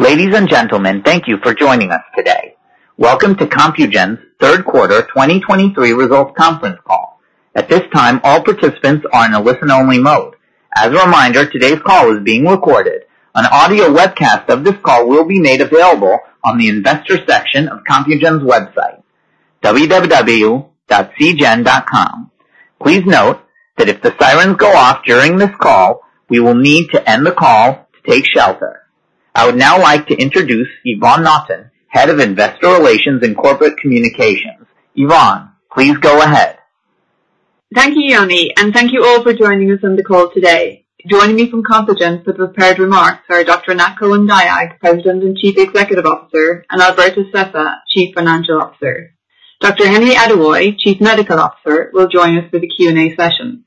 Ladies and gentlemen, thank you for joining us today. Welcome to Compugen's third quarter 2023 results conference call. At this time, all participants are in a listen-only mode. As a reminder, today's call is being recorded. An audio webcast of this call will be made available on the investor section of Compugen's website, www.cgen.com. Please note that if the sirens go off during this call, we will need to end the call to take shelter. I would now like to introduce Yvonne Naughton, Head of Investor Relations and Corporate Communications. Yvonne, please go ahead. Thank you, Yoni, and thank you all for joining us on the call today. Joining me from Compugen for prepared remarks are Dr. Anat Cohen-Dayag, President and Chief Executive Officer, and Alberto Sessa, Chief Financial Officer. Dr. Henry Adewoye, Chief Medical Officer, will join us for the Q&A session.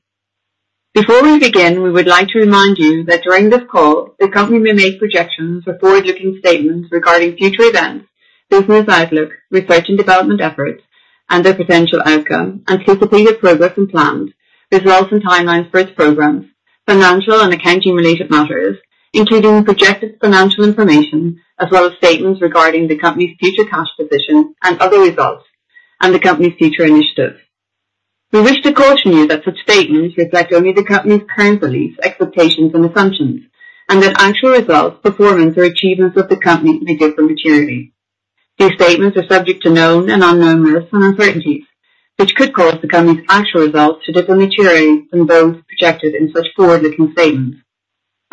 Before we begin, we would like to remind you that during this call, the company may make projections or forward-looking statements regarding future events, business outlook, research and development efforts and their potential outcome, anticipated progress and plans, results and timelines for its programs, financial and accounting-related matters. Including projected financial information, as well as statements regarding the company's future cash position and other results and the company's future initiatives. We wish to caution you that such statements reflect only the company's current beliefs, expectations and assumptions, and that actual results, performance or achievements of the company may differ materially. These statements are subject to known and unknown risks and uncertainties, which could cause the company's actual results to differ materially from those projected in such forward-looking statements.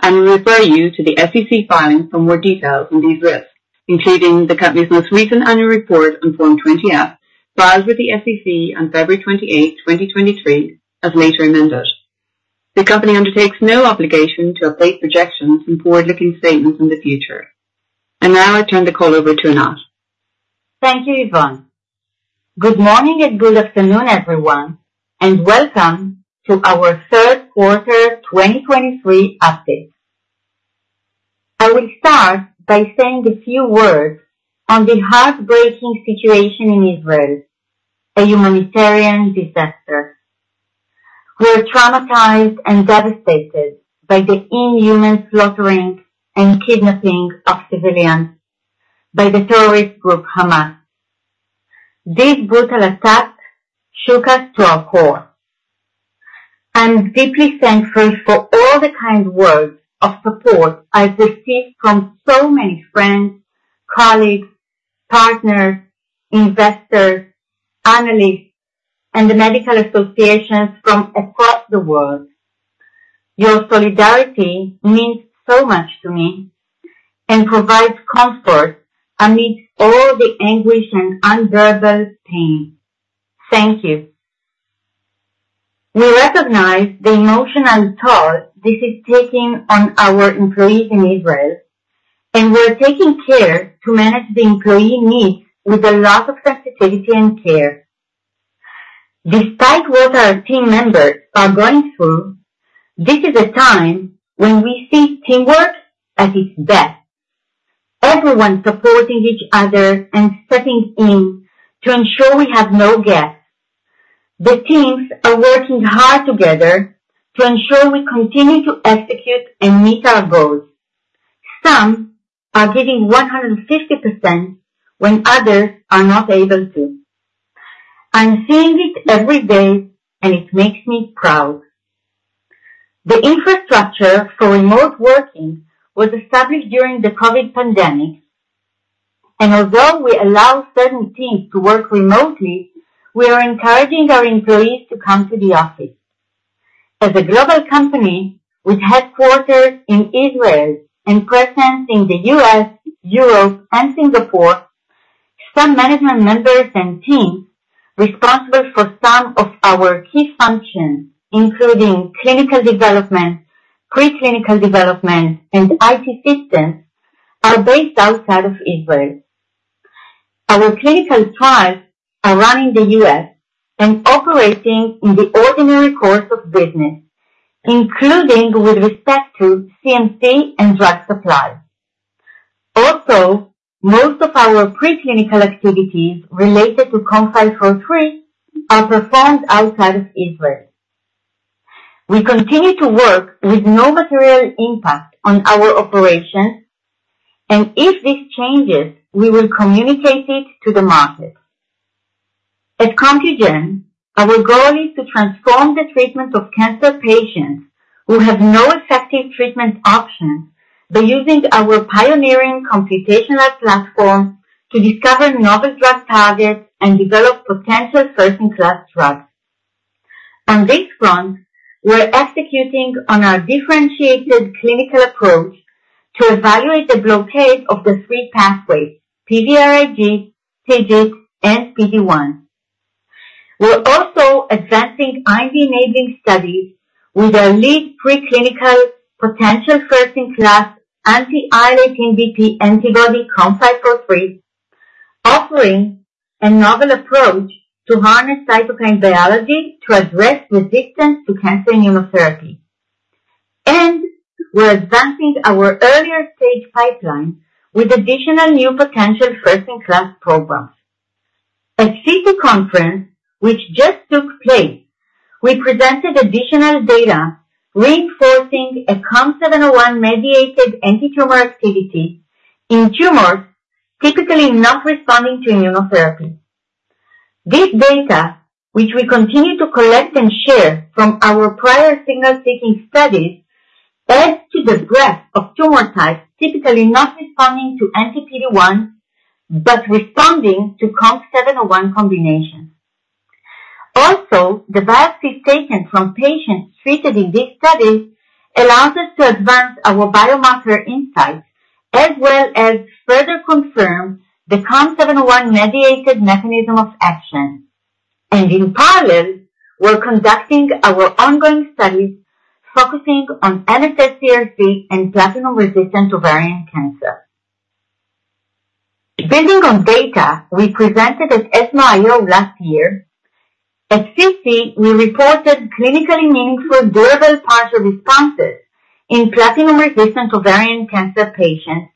And we refer you to the SEC filings for more details on these risks, including the company's most recent annual report on Form 20-F, filed with the SEC on February 28, 2023, as later amended. The company undertakes no obligation to update projections and forward-looking statements in the future. Now I turn the call over to Anat. Thank you, Yvonne. Good morning and good afternoon, everyone. Welcome to our third quarter 2023 update. I will start by saying a few words on the heartbreaking situation in Israel, a humanitarian disaster. We are traumatized and devastated by the inhuman slaughtering and kidnapping of civilians by the terrorist group, Hamas. This brutal attack shook us to our core. I'm deeply thankful for all the kind words of support I've received from so many friends, colleagues, partners, investors, analysts, and the medical associations from across the world. Your solidarity means so much to me and provides comfort amidst all the anguish and unbearable pain. Thank you. We recognize the emotional toll this is taking on our employees in Israel, and we're taking care to manage the employee needs with a lot of sensitivity and care. Despite what our team members are going through, this is a time when we see teamwork at its best. Everyone supporting each other and stepping in to ensure we have no gaps. The teams are working hard together to ensure we continue to execute and meet our goals. Some are giving 150% when others are not able to. I'm seeing it every day, and it makes me proud. The infrastructure for remote working was established during the COVID pandemic. And although we allow certain teams to work remotely, we are encouraging our employees to come to the office. As a global company with headquarters in Israel and presence in the U.S., Europe, and Singapore, some management members and teams responsible for some of our key functions, including clinical development, preclinical development, and IT systems, are based outside of Israel. Our clinical trials are run in the U.S. and operating in the ordinary course of business, including with respect to CMC and drug supply. Also, most of our preclinical activities related to COM503 are performed outside of Israel. We continue to work with no material impact on our operations, and if this changes, we will communicate it to the market. At Compugen, our goal is to transform the treatment of cancer patients who have no effective treatment options by using our pioneering computational platform to discover novel drug targets and develop potential first-in-class drugs. On this front, we're executing on our differentiated clinical approach to evaluate the blockade of the three pathways, PVRIG, TIGIT, and PD-1. We're also advancing IND enabling studies with our lead preclinical potential first-in-class anti-IL-18BP antibody, COM503, offering a novel approach to harness cytokine biology to address resistance to cancer immunotherapy. We're advancing our earlier-stage pipeline with additional new potential first-in-class programs. At SITC conference, which just took place, we presented additional data reinforcing a COM701 mediated anti-tumor activity in tumors typically not responding to immunotherapy. This data, which we continue to collect and share from our prior signal-seeking studies, adds to the breadth of tumor types, typically not responding to anti-PD-1, but responding to COM701 combination. Also, the biopsies taken from patients treated in these studies allows us to advance our biomarker insights, as well as further confirm the COM701 mediated mechanism of action. And in parallel, we're conducting our ongoing studies focusing on MSS CRC and platinum-resistant ovarian cancer. Building on data we presented at ESMO IO last year at SITC, we reported clinically meaningful, durable partial responses in platinum-resistant ovarian cancer patients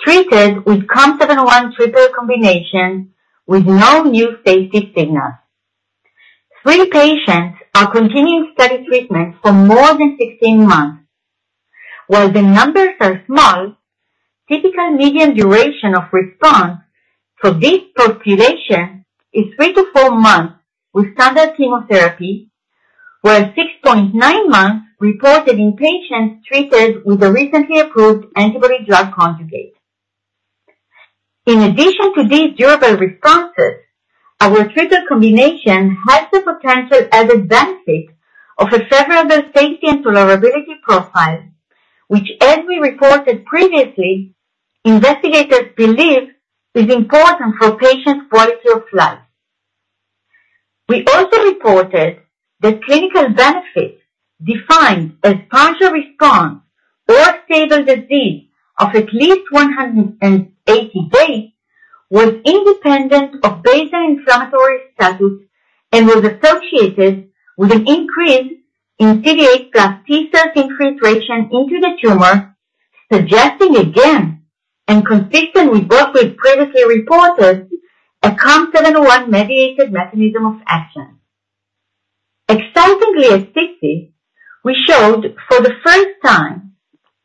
treated with COM701 triple combination, with no new safety signals. Three patients are continuing study treatment for more than 16 months. While the numbers are small, typical median duration of response for this population is three to four months with standard chemotherapy, while 6.9 months reported in patients treated with a recently approved antibody drug conjugate. In addition to these durable responses, our triple combination has the potential added benefit of a favorable safety and tolerability profile, which as we reported previously, investigators believe is important for patients' quality of life. We also reported that clinical benefit defined as partial response or stable disease of at least 180 days was independent of baseline inflammatory status and was associated with an increase in CD8+ T cell infiltration into the tumor, suggesting again, and consistent with what was previously reported a COM701 mediated mechanism of action. Excitingly, at SITC, we showed for the first time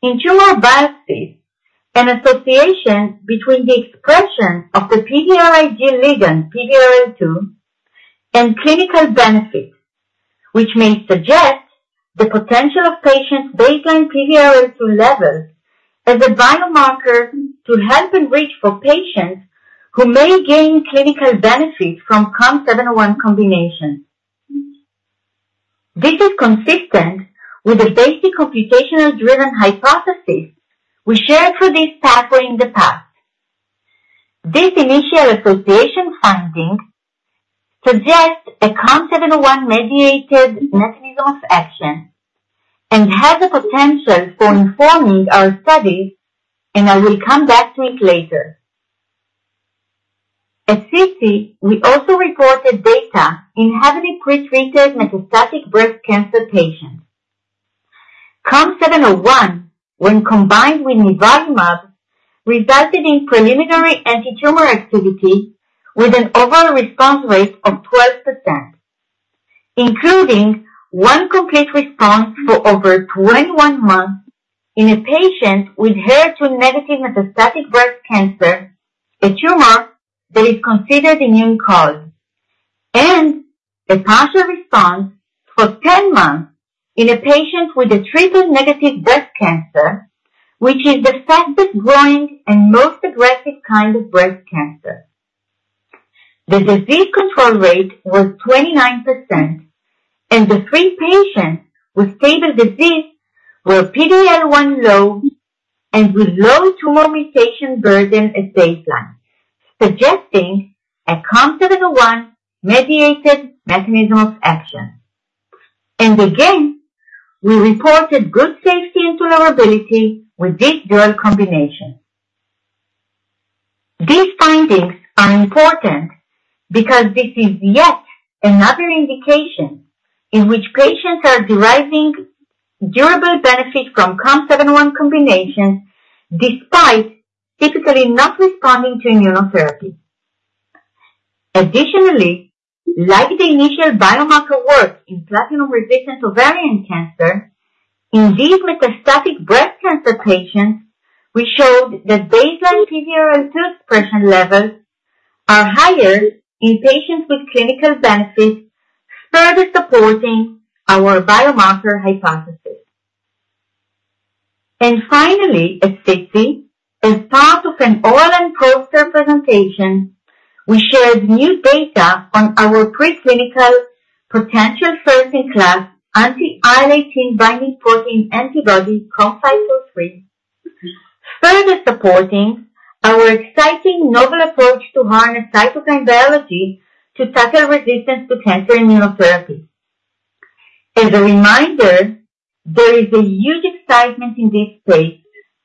in tumor biopsies, an association between the expression of the PVRIG ligand PVRL2, and clinical benefit, which may suggest the potential of patients' baseline PVRL2 levels as a biomarker to help enrich for patients who may gain clinical benefit from COM701 combination. This is consistent with the basic computational-driven hypothesis we shared for this pathway in the past. This initial association finding suggests a COM701 mediated mechanism of action and has the potential for informing our studies, and I will come back to it later. At SITC, we also reported data in heavily pretreated metastatic breast cancer patients. COM701, when combined with nivolumab, resulted in preliminary antitumor activity with an overall response rate of 12%, including one complete response for over 21 months in a patient with HER2-negative metastatic breast cancer, a tumor that is considered immune cold. A partial response for 10 months in a patient with a triple-negative breast cancer, which is the fastest-growing and most aggressive kind of breast cancer. The disease control rate was 29%, and the three patients with stable disease were PD-L1 low and with low tumor mutation burden at baseline, suggesting a COM701 mediated mechanism of action. And again, we reported good safety and tolerability with this dual combination. These findings are important because this is yet another indication in which patients are deriving durable benefit from COM701 combinations, despite typically not responding to immunotherapy. Additionally, like the initial biomarker work in platinum-resistant ovarian cancer, in these metastatic breast cancer patients, we showed that baseline PVRL2 expression levels are higher in patients with clinical benefit, further supporting our biomarker hypothesis. And finally, at SITC, as part of an oral and poster presentation, we shared new data on our preclinical potential first-in-class anti-IL-18 binding protein antibody, COM503, further supporting our exciting novel approach to harness cytokine biology to tackle resistance to cancer immunotherapy. As a reminder, there is a huge excitement in this space,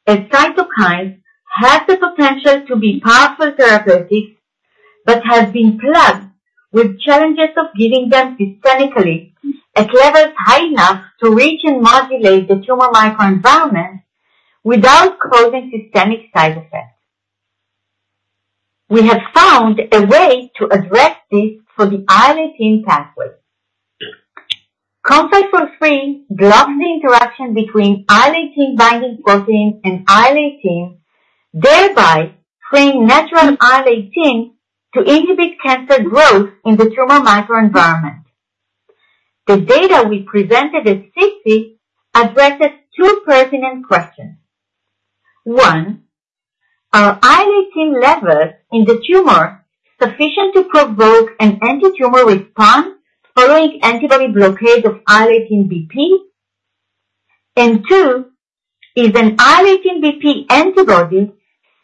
as cytokines have the potential to be powerful therapeutics, but have been plagued with challenges of giving them systemically at levels high enough to reach and modulate the tumor microenvironment, without causing systemic side effects. We have found a way to address this for the IL-18 pathway. COM503 blocks the interaction between IL-18 binding protein and IL-18, thereby freeing natural IL-18 to inhibit cancer growth in the tumor microenvironment. The data we presented at SITC addressed two pertinent questions. One, are IL-18 levels in the tumor sufficient to provoke an anti-tumor response following antibody blockade of IL-18BP? And two, is an IL-18BP antibody safer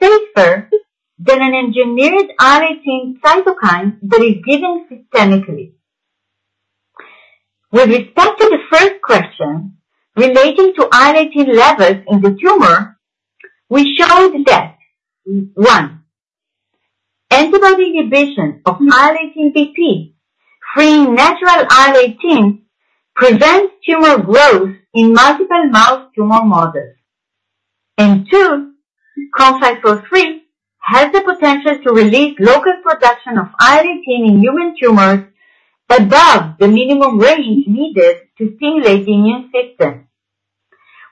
than an engineered IL-18 cytokine that is given systemically? With respect to the first question relating to IL-18 levels in the tumor, we showed that, one, antibody inhibition of IL-18BP, free natural IL-18 prevent tumor growth in multiple mouse tumor models. And two, COM503 has the potential to release local production of IL-18 in human tumors above the minimum range needed to stimulate the immune system.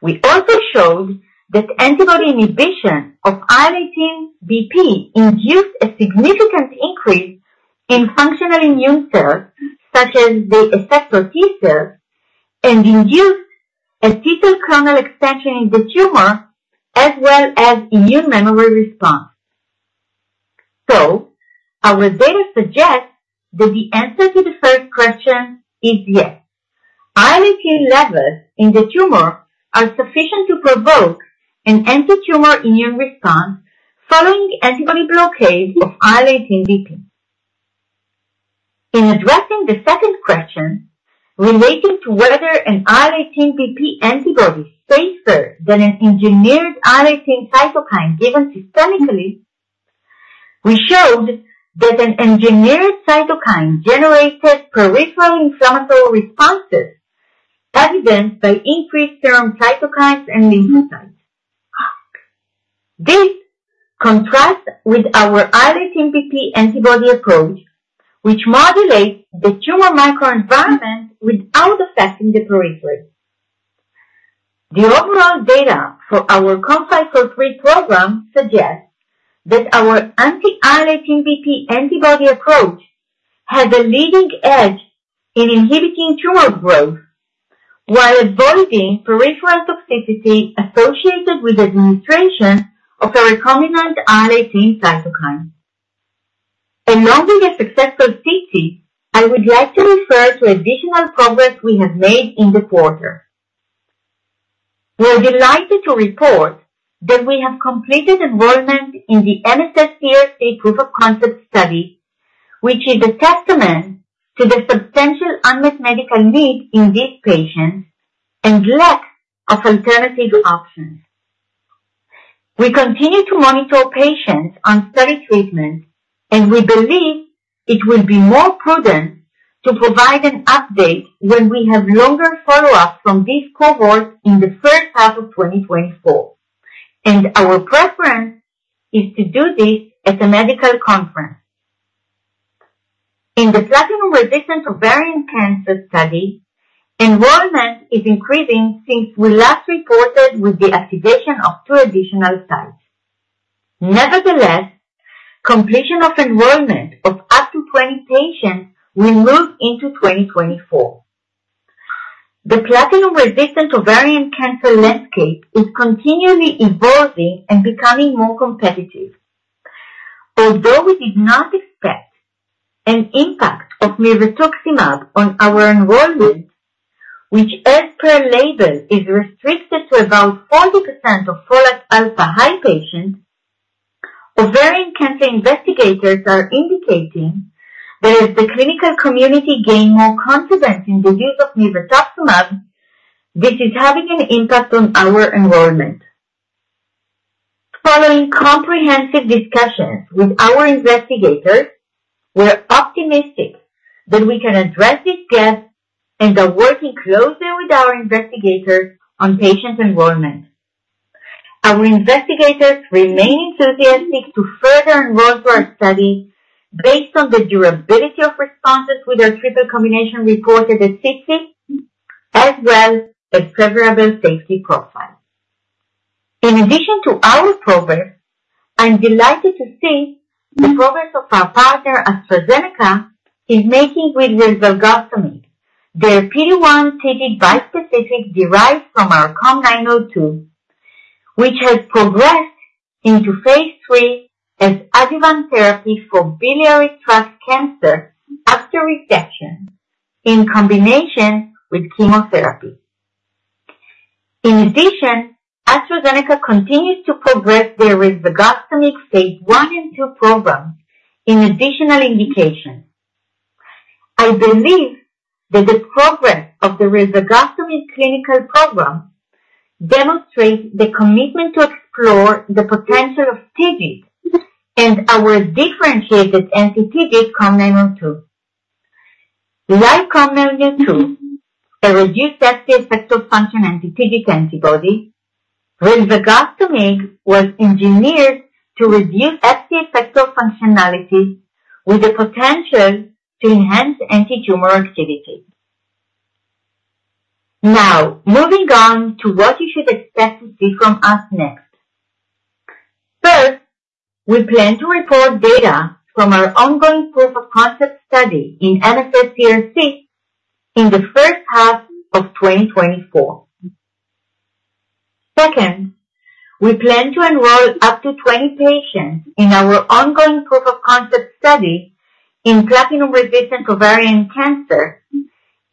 We also showed that antibody inhibition of IL-18BP induced a significant increase in functional immune cells, such as the effector T cells, and induced a T cell clonal expansion in the tumor as well as immune memory response. So our data suggests that the answer to the first question is yes. IL-18 levels in the tumor are sufficient to provoke an anti-tumor immune response following antibody blockade of IL-18BP. In addressing the second question relating to whether an IL-18BP antibody is safer than an engineered IL-18 cytokine given systemically, we showed that an engineered cytokine generated peripheral inflammatory responses, evidenced by increased serum cytokines and lymphocytes. This contrasts with our IL-18BP antibody approach, which modulates the tumor microenvironment without affecting the periphery. The overall data for our COM503 program suggests that our anti-IL-18BP antibody approach has a leading edge in inhibiting tumor growth while avoiding peripheral toxicity associated with administration of a recombinant IL-18 cytokine. Along with a successful CT, I would like to refer to additional progress we have made in the quarter. We're delighted to report that we have completed enrollment in the MSS CRC proof of concept study, which is a testament to the substantial unmet medical need in these patients and lack of alternative options. We continue to monitor patients on study treatment, and we believe it will be more prudent to provide an update when we have longer follow-up from this cohort in the first half of 2024, and our preference is to do this at a medical conference. In the platinum-resistant ovarian cancer study, enrollment is increasing since we last reported with the activation of two additional sites. Nevertheless, completion of enrollment of up to 20 patients will move into 2024. The platinum-resistant ovarian cancer landscape is continually evolving and becoming more competitive. Although we did not expect an impact of mirvetuximab on our enrollment, which, as per label, is restricted to about 40% of FOXL2 high patients, ovarian cancer investigators are indicating that as the clinical community gain more confidence in the use of mirvetuximab, this is having an impact on our enrollment. Following comprehensive discussions with our investigators, we're optimistic that we can address this gap and are working closely with our investigators on patient enrollment. Our investigators remain enthusiastic to further enroll for our study based on the durability of responses with our triple combination reported at SITC, as well as favorable safety profile. In addition to our progress, I'm delighted to see the progress of our partner, AstraZeneca, is making with rilvegostomig, their PD-1 TIGIT bispecific, derived from our COM902, which has progressed into phase III as adjuvant therapy for biliary tract cancer after resection in combination with chemotherapy. In addition, AstraZeneca continues to progress their rilvegostomig phase I and II program in additional indications. I believe that the progress of the rilvegostomig clinical program demonstrates the commitment to explore the potential of TIGIT and our differentiated anti-TIGIT COM902. Like COM902, a reduced FC effector function anti-TIGIT antibody, rilvegostomig was engineered to reduce FC effector functionality with the potential to enhance antitumor activity. Now, moving on to what you should expect to see from us next. First, we plan to report data from our ongoing proof of concept study in MSS CRC in the first half of 2024. Second, we plan to enroll up to 20 patients in our ongoing proof of concept study in platinum-resistant ovarian cancer,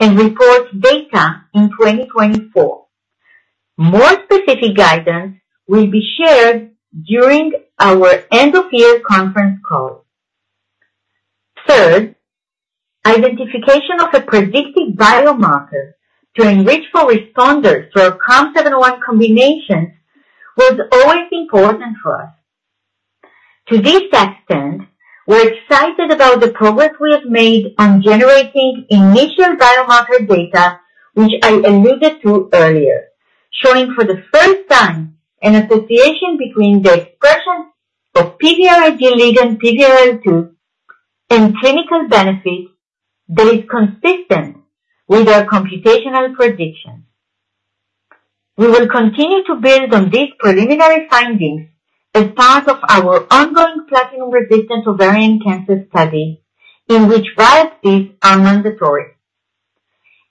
and report data in 2024. More specific guidance will be shared during our end-of-year conference call. Third, identification of a predictive biomarker to enrich for responders to our COM701 combination was always important for us. To this extent, we're excited about the progress we have made on generating initial biomarker data, which I alluded to earlier, showing for the first time an association between the expression of PVRIG ligand PVRL2 and clinical benefits that is consistent with our computational predictions. We will continue to build on these preliminary findings as part of our ongoing platinum-resistant ovarian cancer study, in which biopsies are mandatory.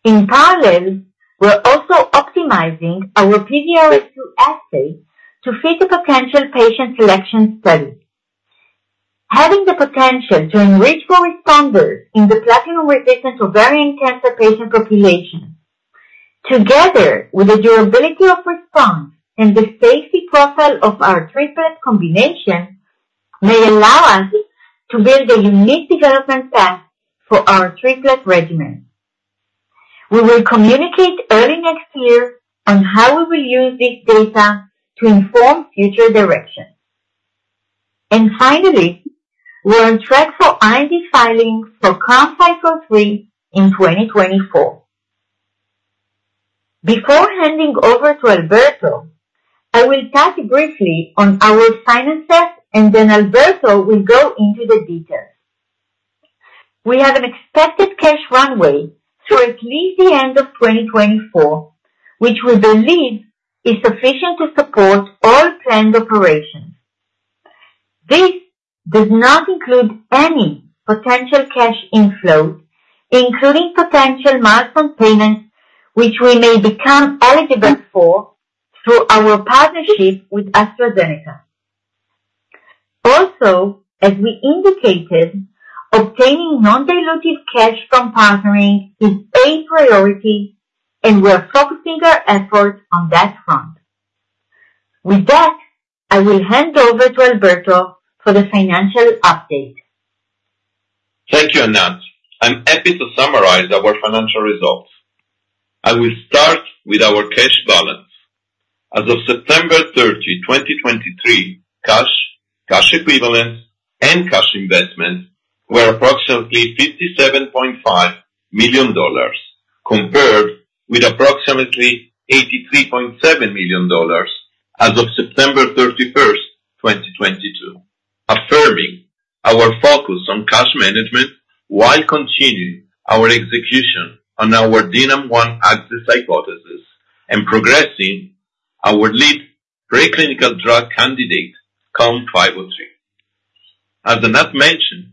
In parallel, we're also optimizing our PVRL2 assay to fit a potential patient selection study. Having the potential to enrich for responders in the platinum-resistant ovarian cancer patient population, together with the durability of response and the safety profile of our triplet combination, may allow us to build a unique development path for our triplet regimen. We will communicate early next year on how we will use this data to inform future directions. Finally, we're on track for IND filing for COM503 in 2024. Before handing over to Alberto, I will touch briefly on our finances, and then Alberto will go into the details. We have an expected cash runway through at least the end of 2024, which we believe is sufficient to support all planned operations. This does not include any potential cash inflows, including potential milestone payments, which we may become eligible for through our partnership with AstraZeneca. Also, as we indicated, obtaining non-dilutive cash from partnering is a priority, and we are focusing our efforts on that front. With that, I will hand over to Alberto for the financial update. Thank you, Anat. I'm happy to summarize our financial results. I will start with our cash balance. As of September 30, 2023, cash, cash equivalents, and cash investments were approximately $57.5 million, compared with approximately $83.7 million as of September 31st, 2022, affirming our focus on cash management while continuing our execution on our DNAM-1 axis hypothesis and progressing our lead preclinical drug candidate, COM503. As Anat mentioned,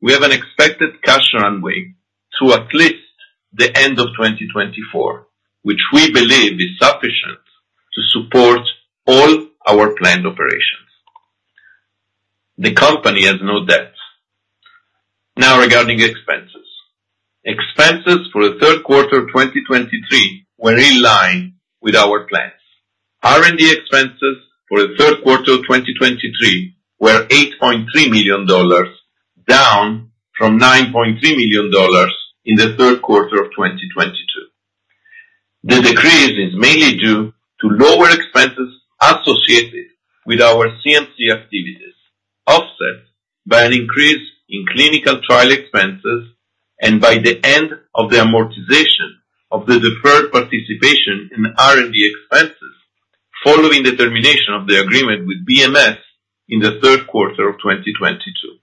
we have an expected cash runway through at least the end of 2024, which we believe is sufficient to support all our planned operations. The company has no debt. Now, regarding expenses. Expenses for the third quarter of 2023 were in line with our plans. R&D expenses for the third quarter of 2023 were $8.3 million, down from $9.3 million in the third quarter of 2022. The decrease is mainly due to lower expenses associated with our CMC activities, offset by an increase in clinical trial expenses and by the end of the amortization of the deferred participation in R&D expenses, following the termination of the agreement with BMS in the third quarter of 2022.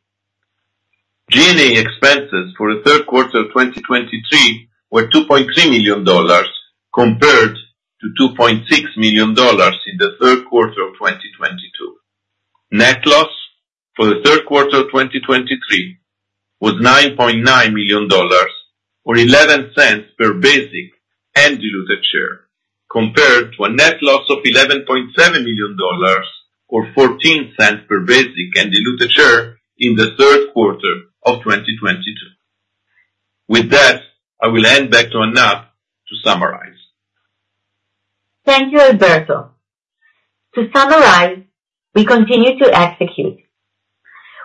G&A expenses for the third quarter of 2023 were $2.3 million, compared to $2.6 million in the third quarter of 2022. Net loss for the third quarter of 2023 was $9.9 million, or $0.11 per basic and diluted share, compared to a net loss of $11.7 million, or $0.14 per basic and diluted share in the third quarter of 2022. With that, I will hand back to Anat to summarize. Thank you, Alberto. To summarize, we continue to execute.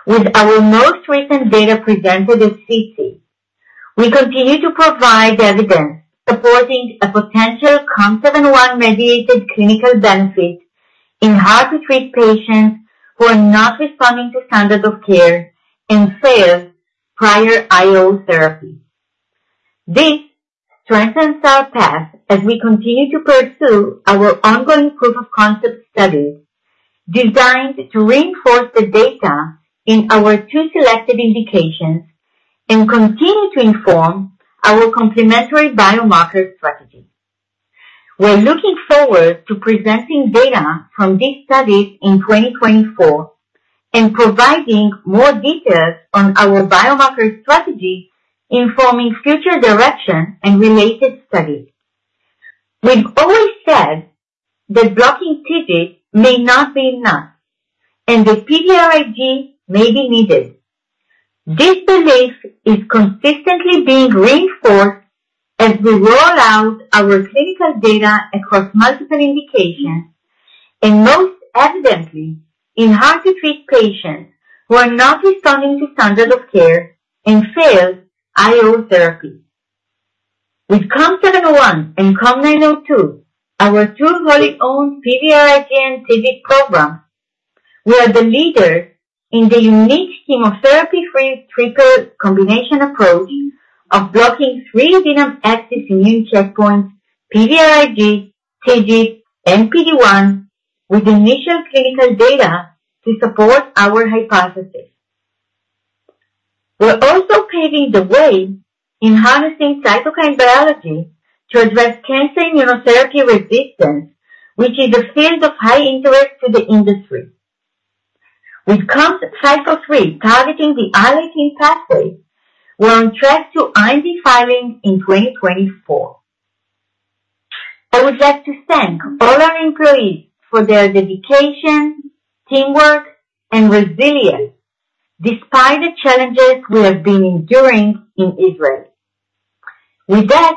With our most recent data presented at SITC, we continue to provide evidence supporting a potential COM701 mediated clinical benefit in how to treat patients who are not responding to standard of care and failed prior IO therapy. This strengthens our path as we continue to pursue our ongoing proof-of-concept studies, designed to reinforce the data in our two selected indications and continue to inform our complementary biomarker strategy. We're looking forward to presenting data from these studies in 2024 and providing more details on our biomarker strategy, informing future direction and related studies. We've always said that blocking TIGIT may not be enough, and the PVRIG may be needed. This belief is consistently being reinforced as we roll out our clinical data across multiple indications, and most evidently in hard-to-treat patients who are not responding to standard of care and failed IO therapy. With COM701 and COM902, our two wholly owned PVRIG and TIGIT programs, we are the leader in the unique chemotherapy-free triple combination approach of blocking three active immune checkpoints, PVRIG, TIGIT, and PD-1, with initial clinical data to support our hypothesis. We're also paving the way in harnessing cytokine biology to address cancer immunotherapy resistance, which is a field of high interest to the industry. With COM503, targeting the IL-18 pathway, we're on track to IND filing in 2024. I would like to thank all our employees for their dedication, teamwork, and resilience despite the challenges we have been enduring in Israel. With that,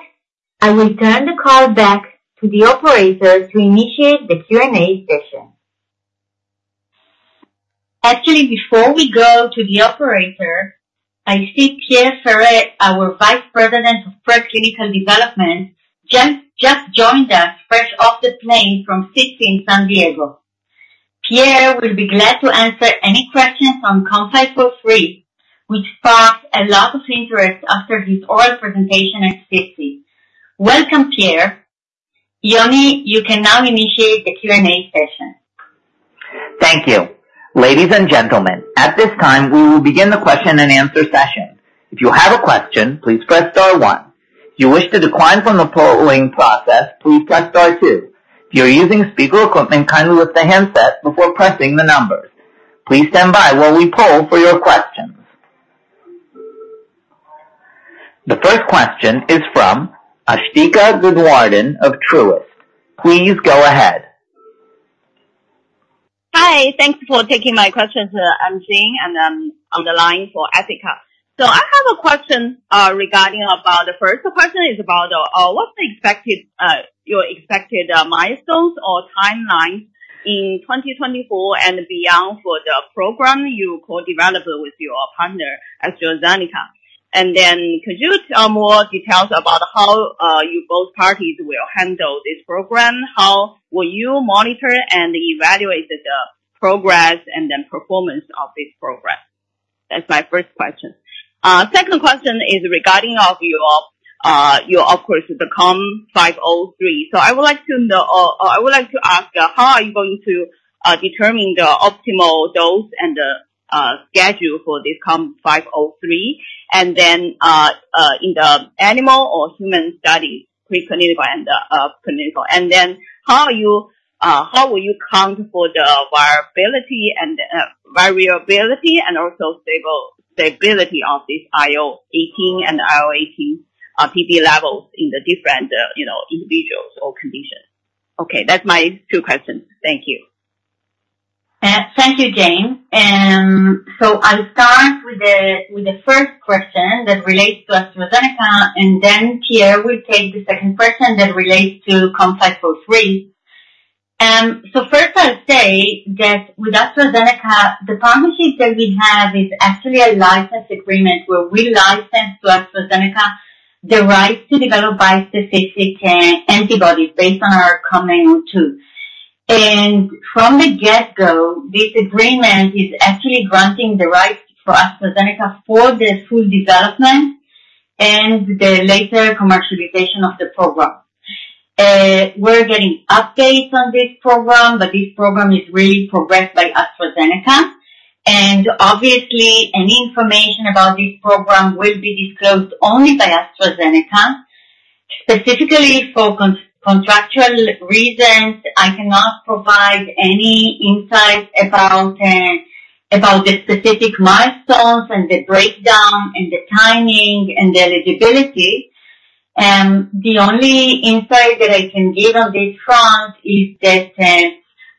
I will turn the call back to the operator to initiate the Q&A session. Actually, before we go to the operator, I see Pierre Ferré, our Vice President of Preclinical Development, just joined us fresh off the plane from SITC in San Diego. Pierre will be glad to answer any questions on COM503, which sparked a lot of interest after his oral presentation at SITC. Welcome, Pierre. Yoni, you can now initiate the Q&A session. Thank you. Ladies and gentlemen, at this time, we will begin the question and answer session. If you have a question, please press star one. If you wish to decline from the polling process, please press star two. If you're using speaker equipment, kindly lift the handset before pressing the numbers. Please stand by while we poll for your questions. The first question is from Asthika Goonewardene of Truist. Please go ahead. Hi, thanks for taking my questions. I'm Jane, and I'm on the line for Asthika. So I have a question regarding about... The first question is about what's the expected your expected milestones or timelines in 2024 and beyond for the program you co-developed with your partner, AstraZeneca? And then could you tell more details about how you both parties will handle this program? How will you monitor and evaluate the progress and the performance of this program? That's my first question. Second question is regarding of your your of course the COM503. So I would like to know, or I would like to ask, how are you going to determine the optimal dose and the schedule for this COM503, and then in the animal or human study, preclinical and clinical. And then how you, how will you account for the variability and variability and also stability of this IL-18 and IL-18BP levels in the different, you know, individuals or conditions? Okay, that's my two questions. Thank you. Thank you, Jane. I'll start with the first question that relates to AstraZeneca, and then Pierre will take the second question that relates to COM503. First, I'll say that with AstraZeneca, the partnership that we have is actually a license agreement where we license to AstraZeneca the rights to develop bispecific antibodies based on our COM902. And from the get-go, this agreement is actually granting the rights for AstraZeneca for the full development and the later commercialization of the program. We're getting updates on this program, but this program is really progressed by AstraZeneca, and obviously, any information about this program will be disclosed only by AstraZeneca. Specifically, for contractual reasons, I cannot provide any insight about the specific milestones and the breakdown and the timing and the eligibility. The only insight that I can give on this front is that,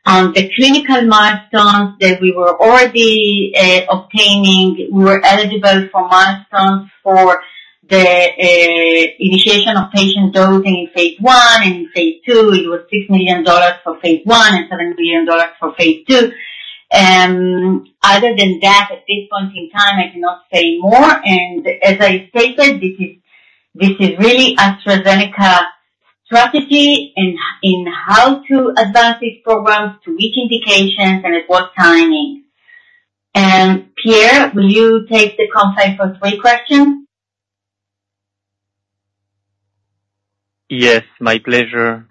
on the clinical milestones that we were already obtaining, we were eligible for milestones for the initiation of patient dosing in phase I and phase II. It was $6 million for phase I and $7 million for phase II. Other than that, at this point in time, I cannot say more. And as I stated, this is really AstraZeneca strategy in how to advance these programs, to which indications and at what timing. Pierre, will you take the next three questions? Yes, my pleasure.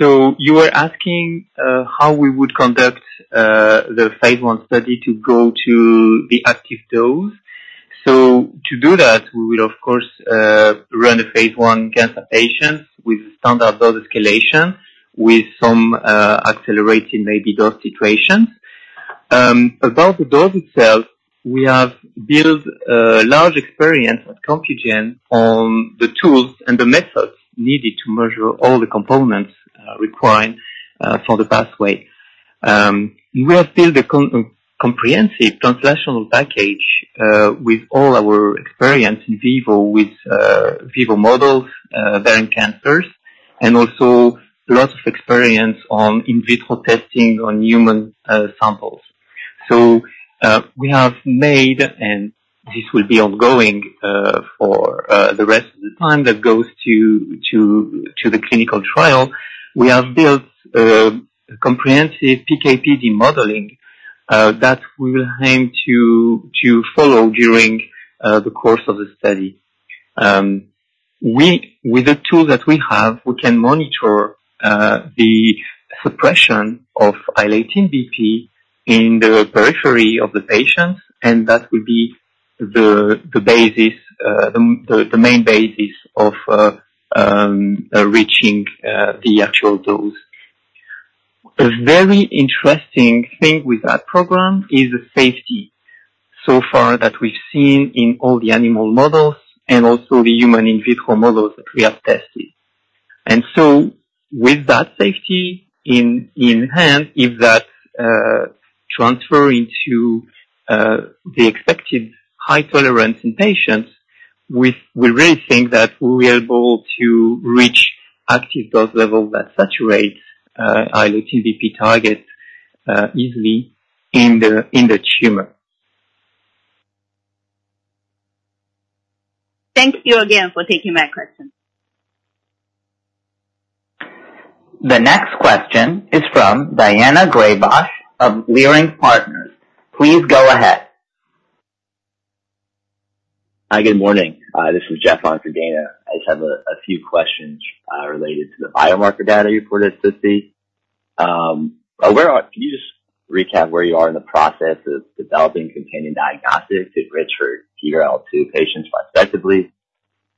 So you were asking how we would conduct the phase one study to go to the active dose. So to do that, we will of course run a phase one cancer patient with standard dose escalation, with some accelerating maybe dose situations. About the dose itself, we have built a large experience at Compugen on the tools and the methods needed to measure all the components required for the pathway. We have built a comprehensive translational package with all our experience in vivo, with vivo models, ovarian cancers, and also lots of experience on in vitro testing on human samples. So we have made, and this will be ongoing, for the rest of the time that goes to the clinical trial. We have built comprehensive PKPD modeling that we will aim to follow during the course of the study. With the tool that we have, we can monitor the suppression of IL-18BP in the periphery of the patients, and that will be the basis, the main basis of reaching the actual dose. A very interesting thing with that program is the safety so far that we've seen in all the animal models and also the human in vitro models that we have tested. And so with that safety in hand, if that transfer into the expected high tolerance in patients, we really think that we are able to reach active dose levels that saturate IL-18BP target easily in the tumor. Thank you again for taking my question. The next question is from Daina Graybosch of Leerink Partners. Please go ahead. Hi, good morning. This is Jeff on for Daina. I just have a few questions related to the biomarker data you reported today. Can you just recap where you are in the process of developing companion diagnostics to enrich for PVRL2 patients retrospectively?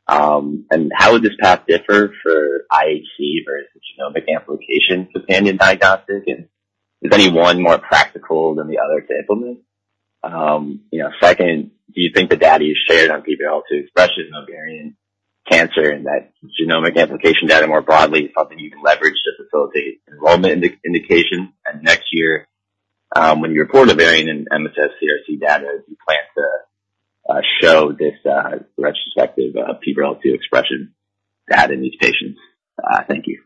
And how would this path differ for IHC versus genomic amplification companion diagnostic? And is any one more practical than the other to implement? You know, second, do you think the data you shared on PVRL2 expression ovarian cancer and that genomic amplification data more broadly is something you can leverage to facilitate enrollment in the indication? And next year, when you report ovarian and MSS CRC data, do you plan to show this retrospective PVRL2 expression data in these patients? Thank you.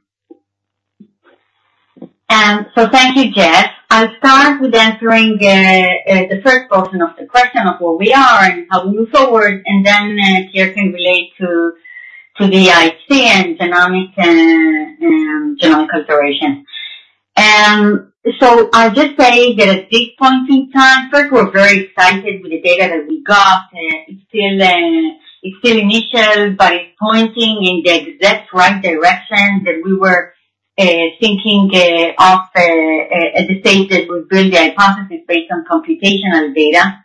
Thank you, Jeff. I'll start with answering the first portion of the question of where we are and how we move forward, and then Pierre can relate to the IHC and genomics and genomic consideration. I'll just say that at this point in time, first, we're very excited with the data that we got. It's still initial, but it's pointing in the exact right direction that we were thinking of at the stage that we build the hypothesis based on computational data.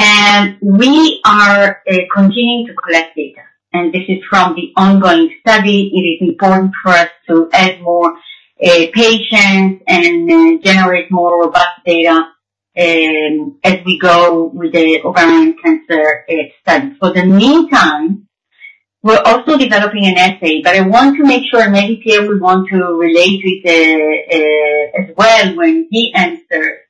And we are continuing to collect data, and this is from the ongoing study. It is important for us to add more patients and generate more robust data as we go with the ovarian cancer study. For the meantime, we're also developing an assay, but I want to make sure, maybe Pierre would want to relate with the, as well when he answers.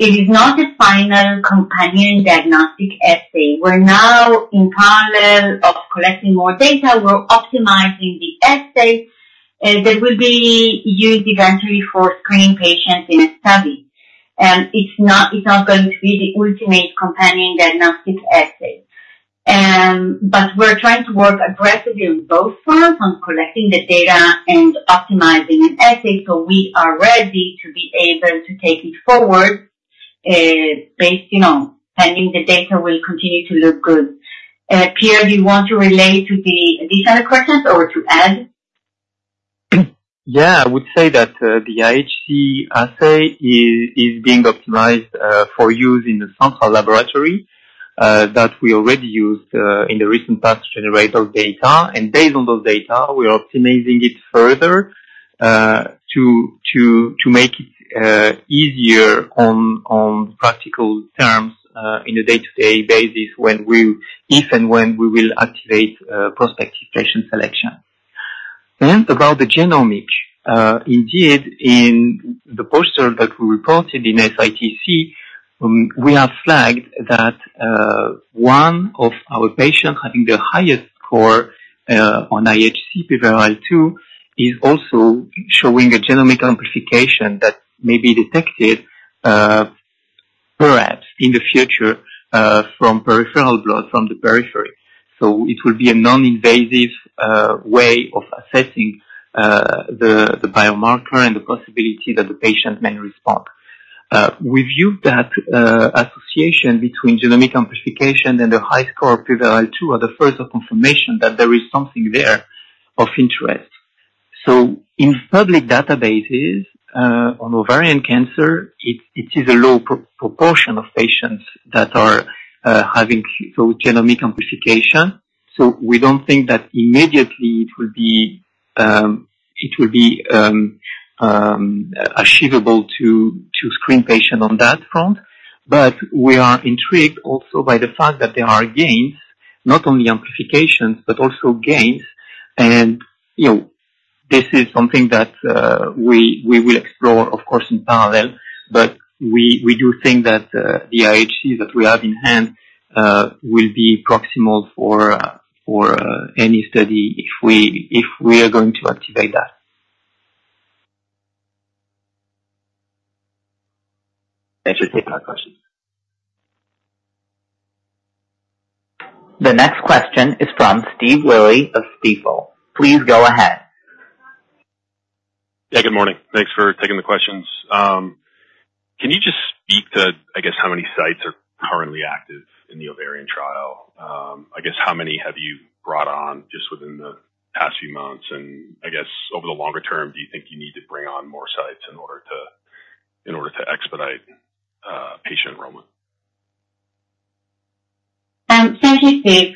It is not the final companion diagnostic assay. We're now in parallel of collecting more data. We're optimizing the assay that will be used eventually for screening patients in a study. And it's not, it's not going to be the ultimate companion diagnostic assay. But we're trying to work aggressively on both sides, on collecting the data and optimizing an assay, so we are ready to be able to take it forward, based on pending the data will continue to look good. Pierre, do you want to relate to the additional questions or to add? Yeah, I would say that the IHC assay is being optimized for use in the central laboratory that we already used in the recent past to generate those data. And based on those data, we are optimizing it further to make it easier on practical terms in a day-to-day basis, when, if and when we will activate prospective patient selection. And about the genomics, indeed, in the poster that we reported in SITC, we have flagged that one of our patients having the highest score on IHC PVRL2 is also showing a genomic amplification that may be detected perhaps in the future from peripheral blood, from the periphery. So it will be a non-invasive way of assessing the biomarker and the possibility that the patient may respond. We view that association between genomic amplification and the high score PVRL2 are the first confirmation that there is something there of interest. In public databases, on ovarian cancer, it is a low proportion of patients that are having genomic amplification. We don't think that immediately it will be achievable to screen patient on that front. But we are intrigued also by the fact that there are gains, not only amplification, but also gains. And, you know, this is something that we will explore, of course, in parallel, but we do think that the IHC that we have in hand will be proximal for any study, if we are going to activate that. Thanks for taking my question. The next question is from Steve Willey of Stifel. Please go ahead. Yeah, good morning. Thanks for taking the questions. Can you just speak to, I guess, how many sites are currently active in the ovarian trial? I guess how many have you brought on just within the past few months? And I guess over the longer term, do you think you need to bring on more sites in order to, in order to expedite patient enrollment? Thank you, Steve.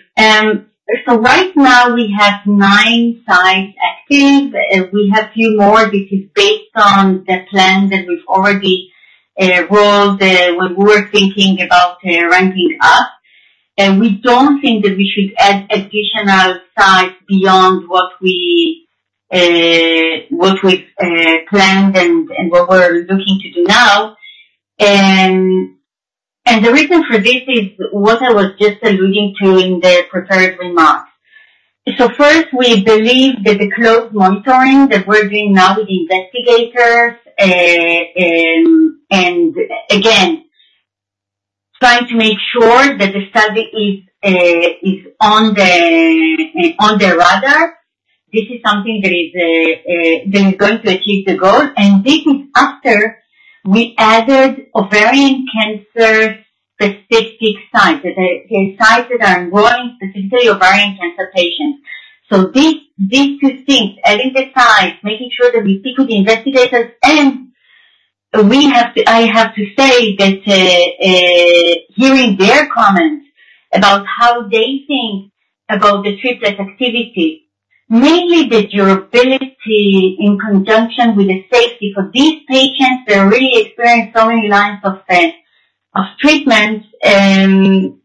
So right now we have nine sites active, we have a few more, which is based on the plan that we've already rolled when we were thinking about ramping up. And we don't think that we should add additional sites beyond what we planned and what we're looking to do now. And the reason for this is what I was just alluding to in the prepared remarks. So first, we believe that the close monitoring that we're doing now with the investigators, and again, trying to make sure that the study is on the radar. This is something that is that is going to achieve the goal, and this is after we added ovarian cancer-specific sites, the sites that are ongoing, specifically ovarian cancer patients. So these, these two things, adding the sites, making sure that we speak with the investigators. And we have to, I have to say that, hearing their comments about how they think about the triplet activity, mainly the durability in conjunction with the safety for these patients. They're really experienced so many lines of treatment,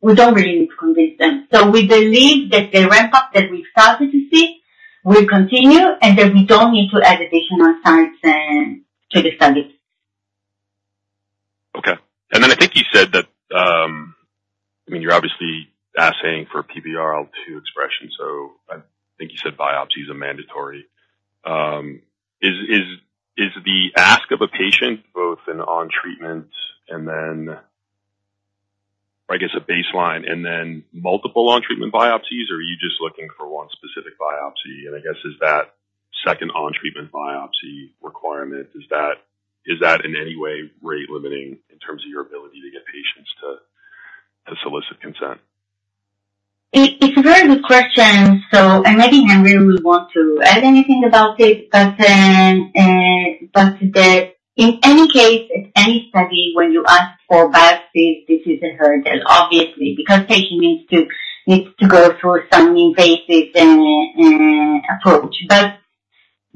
we don't really need to convince them. So we believe that the ramp-up that we started to see will continue, and that we don't need to add additional sites to the study. Okay. And then I think you said that, I mean, you're obviously assaying for PVRL2 expression, so I think you said biopsy is mandatory. Is the ask of a patient, both in on treatment and then, I guess, a baseline and then multiple on treatment biopsies, or are you just looking for one specific biopsy? And I guess is that second on treatment biopsy requirement, is that in any way rate limiting in terms of your ability to get patients to solicit consent? It's a very good question, and maybe Henry will want to add anything about this, but that in any case, in any study, when you ask for biopsies, this is a hurdle, obviously, because patient needs to go through some invasive approach.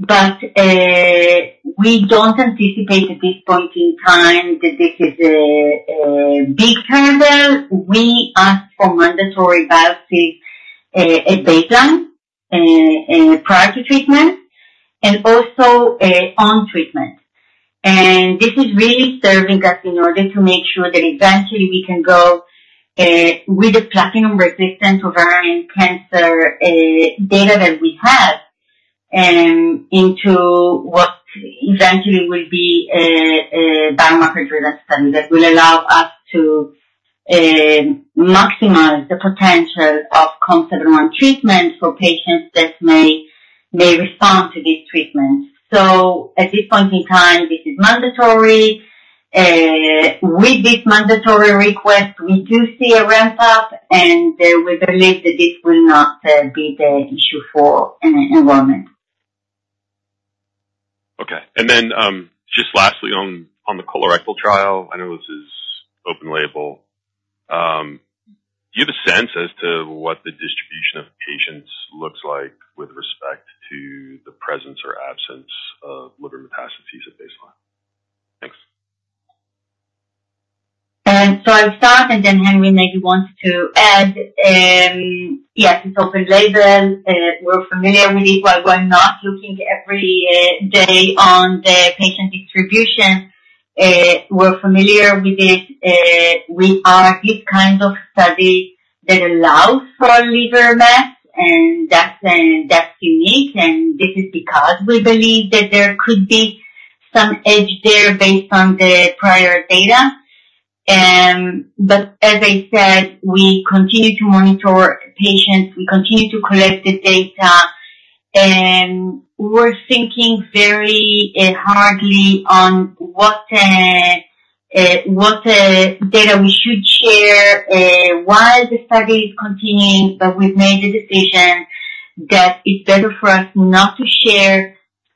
But we don't anticipate at this point in time that this is a big hurdle. We ask for mandatory biopsies at baseline prior to treatment and also on treatment. And this is really serving us in order to make sure that eventually we can go with the platinum-resistant ovarian cancer data that we have into what eventually will be a biomarker-driven study that will allow us to maximize the potential of COM701 treatment for patients that may respond to this treatment. At this point in time, this is mandatory. With this mandatory request, we do see a ramp up, and we believe that this will not be the issue for enrollment. Okay. And then, just lastly, on the colorectal trial, I know this is open label. Do you have a sense as to what the distribution of patients looks like with respect to the presence or absence of liver metastases at baseline? Thanks. So I'll start, and then Henry maybe wants to add. Yes, it's open label, we're familiar with it. While we're not looking every day on the patient distribution, we're familiar with this. We are this kind of study that allows for liver mets. And that's unique, and this is because we believe that there could be some edge there based on the prior data. But as I said, we continue to monitor patients, we continue to collect the data, and we're thinking very hard on what data we should share while the study is continuing. But we've made the decision that it's better for us not to share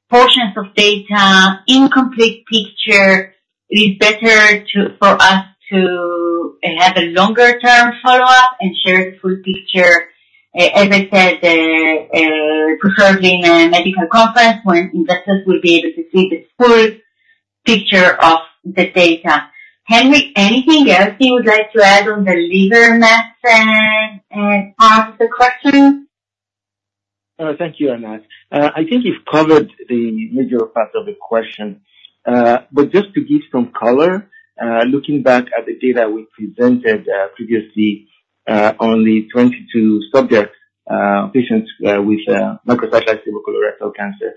portions of data, incomplete picture. It is better for us to have a longer-term follow-up and share a full picture. As I said, preferably in a medical conference, when investors will be able to see the full picture of the data. Henry, anything else you would like to add on the liver mets, on the question? Thank you, Anat. I think you've covered the major part of the question. But just to give some color, looking back at the data we presented previously on the 22 subjects, patients, with microsatellite colorectal cancer.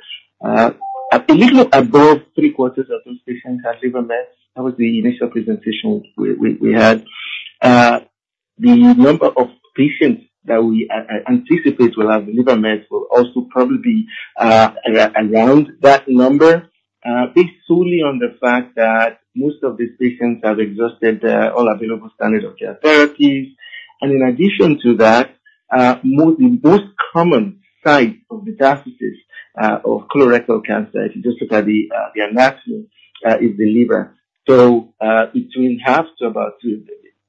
A little above three quarters of those patients have liver mets. That was the initial presentation we had. The number of patients that we anticipate will have liver mets will also probably be around that number, based solely on the fact that most of these patients have exhausted all available standard of care therapies. And in addition to that, most, the most common site of the metastasis of colorectal cancer, if you just look at the anatomy, is the liver. So, between half to about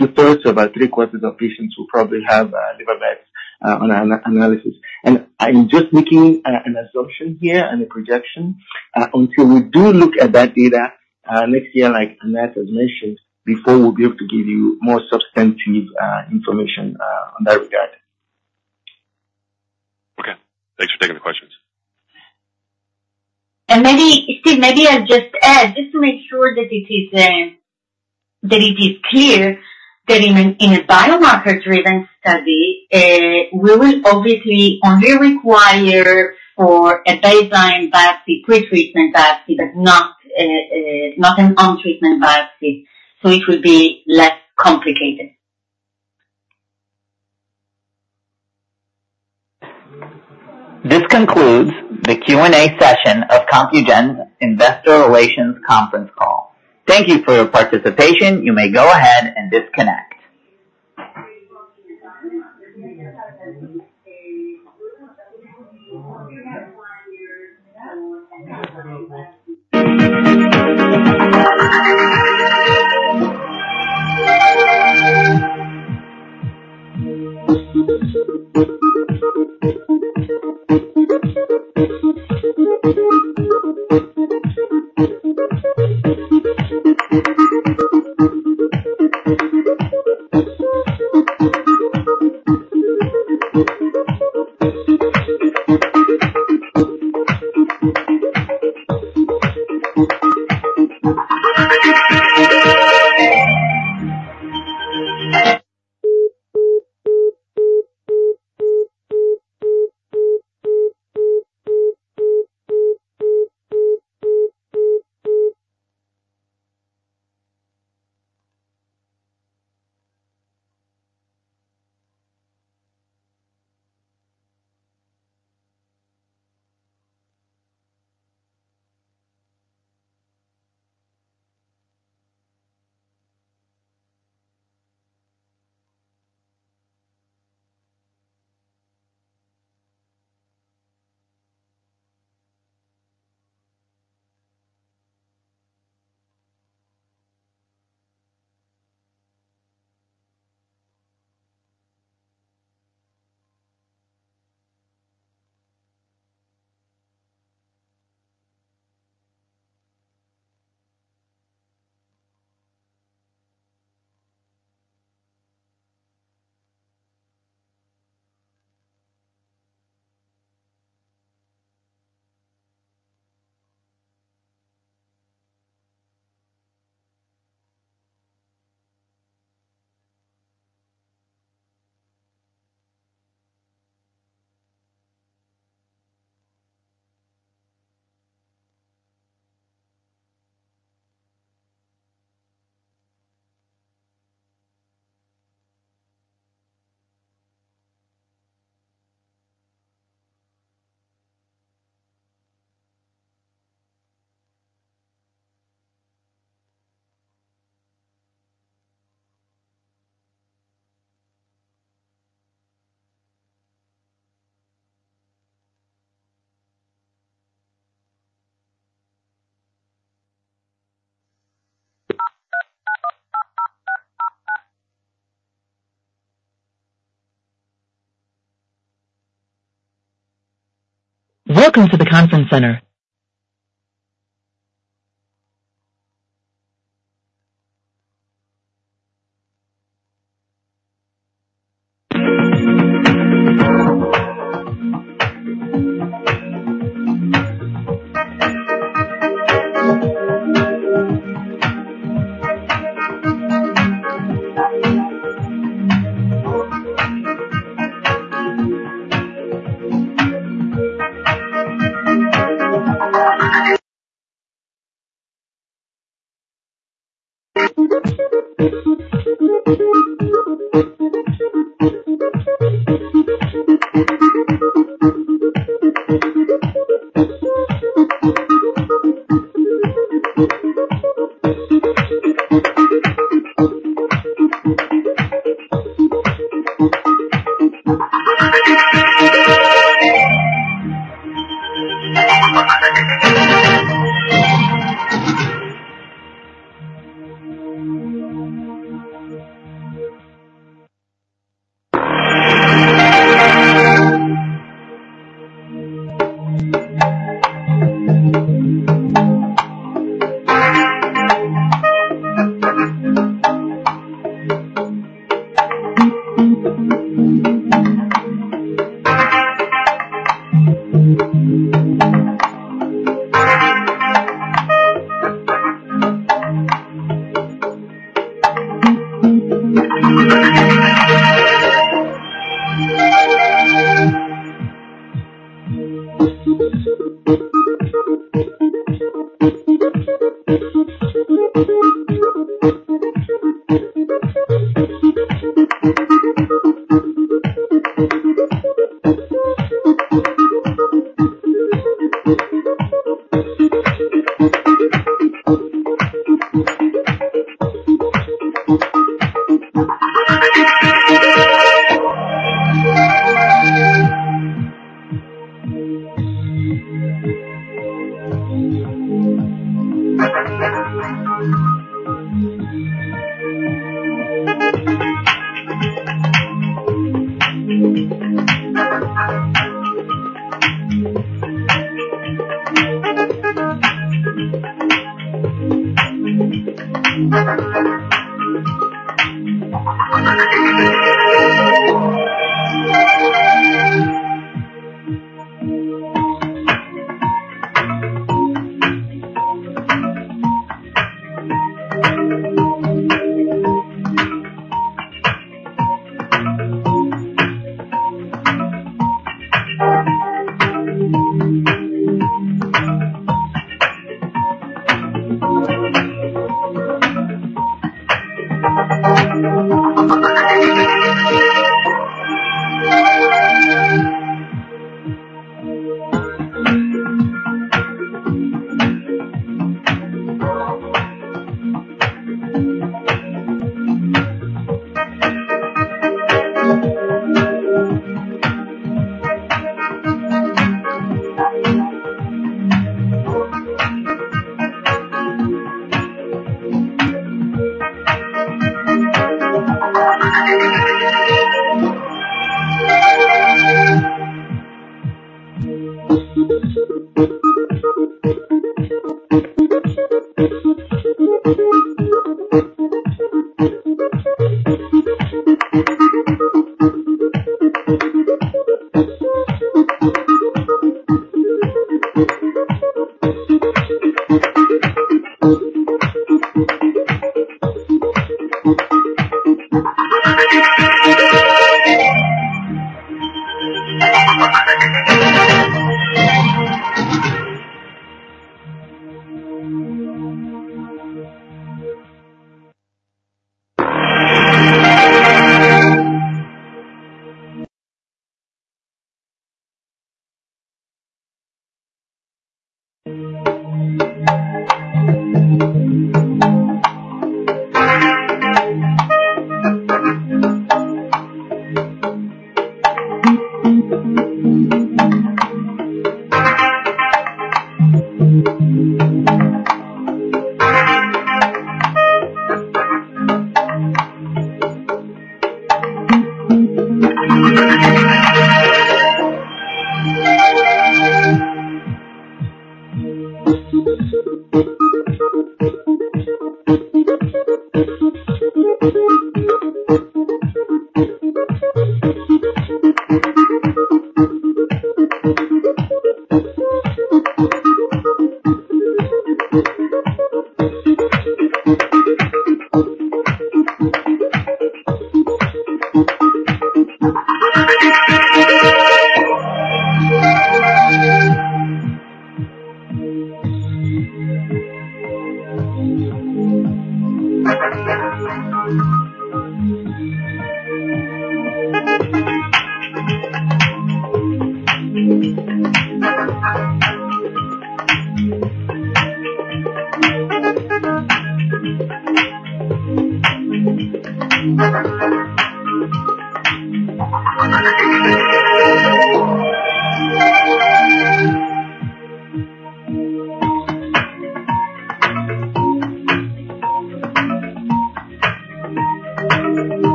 2/3 to about 3/4 of patients will probably have liver mets on an analysis. And I'm just making an assumption here and a projection until we do look at that data next year, like Anat has mentioned, before we'll be able to give you more substantive information on that regard. Okay, thanks for taking the questions. Maybe, Steve. Maybe I'll just add, just to make sure that it is clear that in a biomarker-driven study, we will obviously only require for a baseline biopsy, pre-treatment biopsy, but not an on-treatment biopsy, so it will be less complicated. This concludes the Q&A session of Compugen's Investor Relations conference call. Thank you for your participation. You may go ahead and disconnect.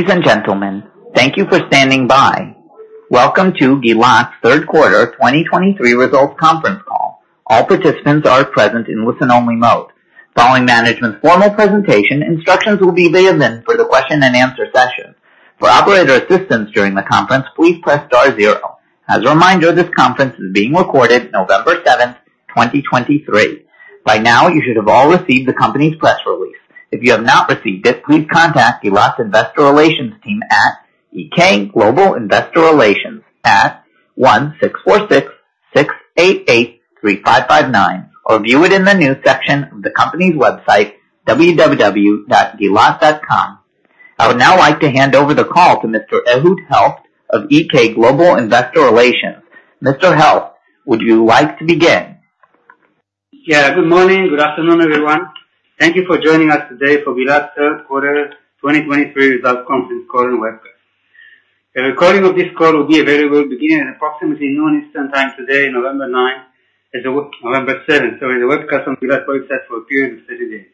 Ladies and gentlemen, thank you for standing by. Welcome to Gilat's third quarter 2023 results conference call. All participants are present in listen-only mode. Following management's formal presentation, instructions will be given for the question and answer session. For operator assistance during the conference, please press star zero. As a reminder, this conference is being recorded November 7, 2023. By now, you should have all received the company's press release. If you have not received it, please contact Gilat's Investor Relations team at EK Global Investor Relations at 1-646-688-3559, or view it in the News section of the company's website, www.gilat.com. I would now like to hand over the call to Mr. Ehud Helft of EK Global Investor Relations. Mr. Helft, would you like to begin? Yeah. Good morning. Good afternoon, everyone. Thank you for joining us today for Gilat's Third Quarter 2023 Results conference call and webcast. A recording of this call will be available beginning at approximately noon, Eastern Time today, November 9, November 7, sorry, the webcast on Gilat website for a period of 30 days.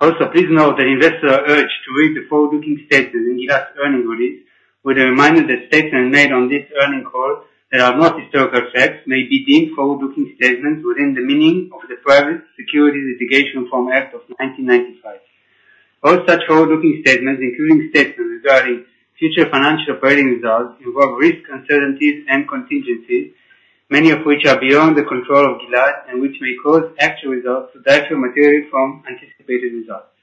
Also, please note that investors are urged to read the forward-looking statements in Gilat's earnings release, with a reminder that statements made on this earnings call that are not historical facts may be deemed forward-looking statements within the meaning of the Private Securities Litigation Reform Act of 1995. All such forward-looking statements, including statements regarding future financial operating results, involve risks, uncertainties, and contingencies, many of which are beyond the control of Gilat, and which may cause actual results to differ materially from anticipated results.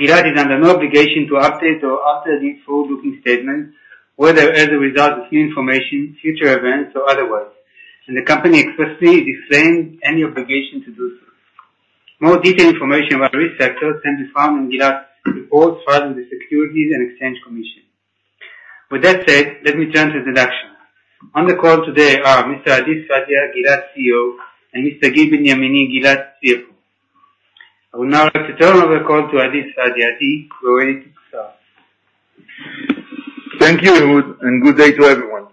Gilat is under no obligation to update or alter these forward-looking statements, whether as a result of new information, future events, or otherwise, and the company expressly disclaims any obligation to do so. More detailed information about risk factors can be found in Gilat's reports filed in the Securities and Exchange Commission. With that said, let me turn to introduction. On the call today are Mr. Adi Sfadia, Gilat's CEO, and Mr. Gil Benyamini, Gilat CFO. I would now like to turn over the call to Adi Sfadia. Adi, go ahead, sir. Thank you, Ehud, and good day to everyone.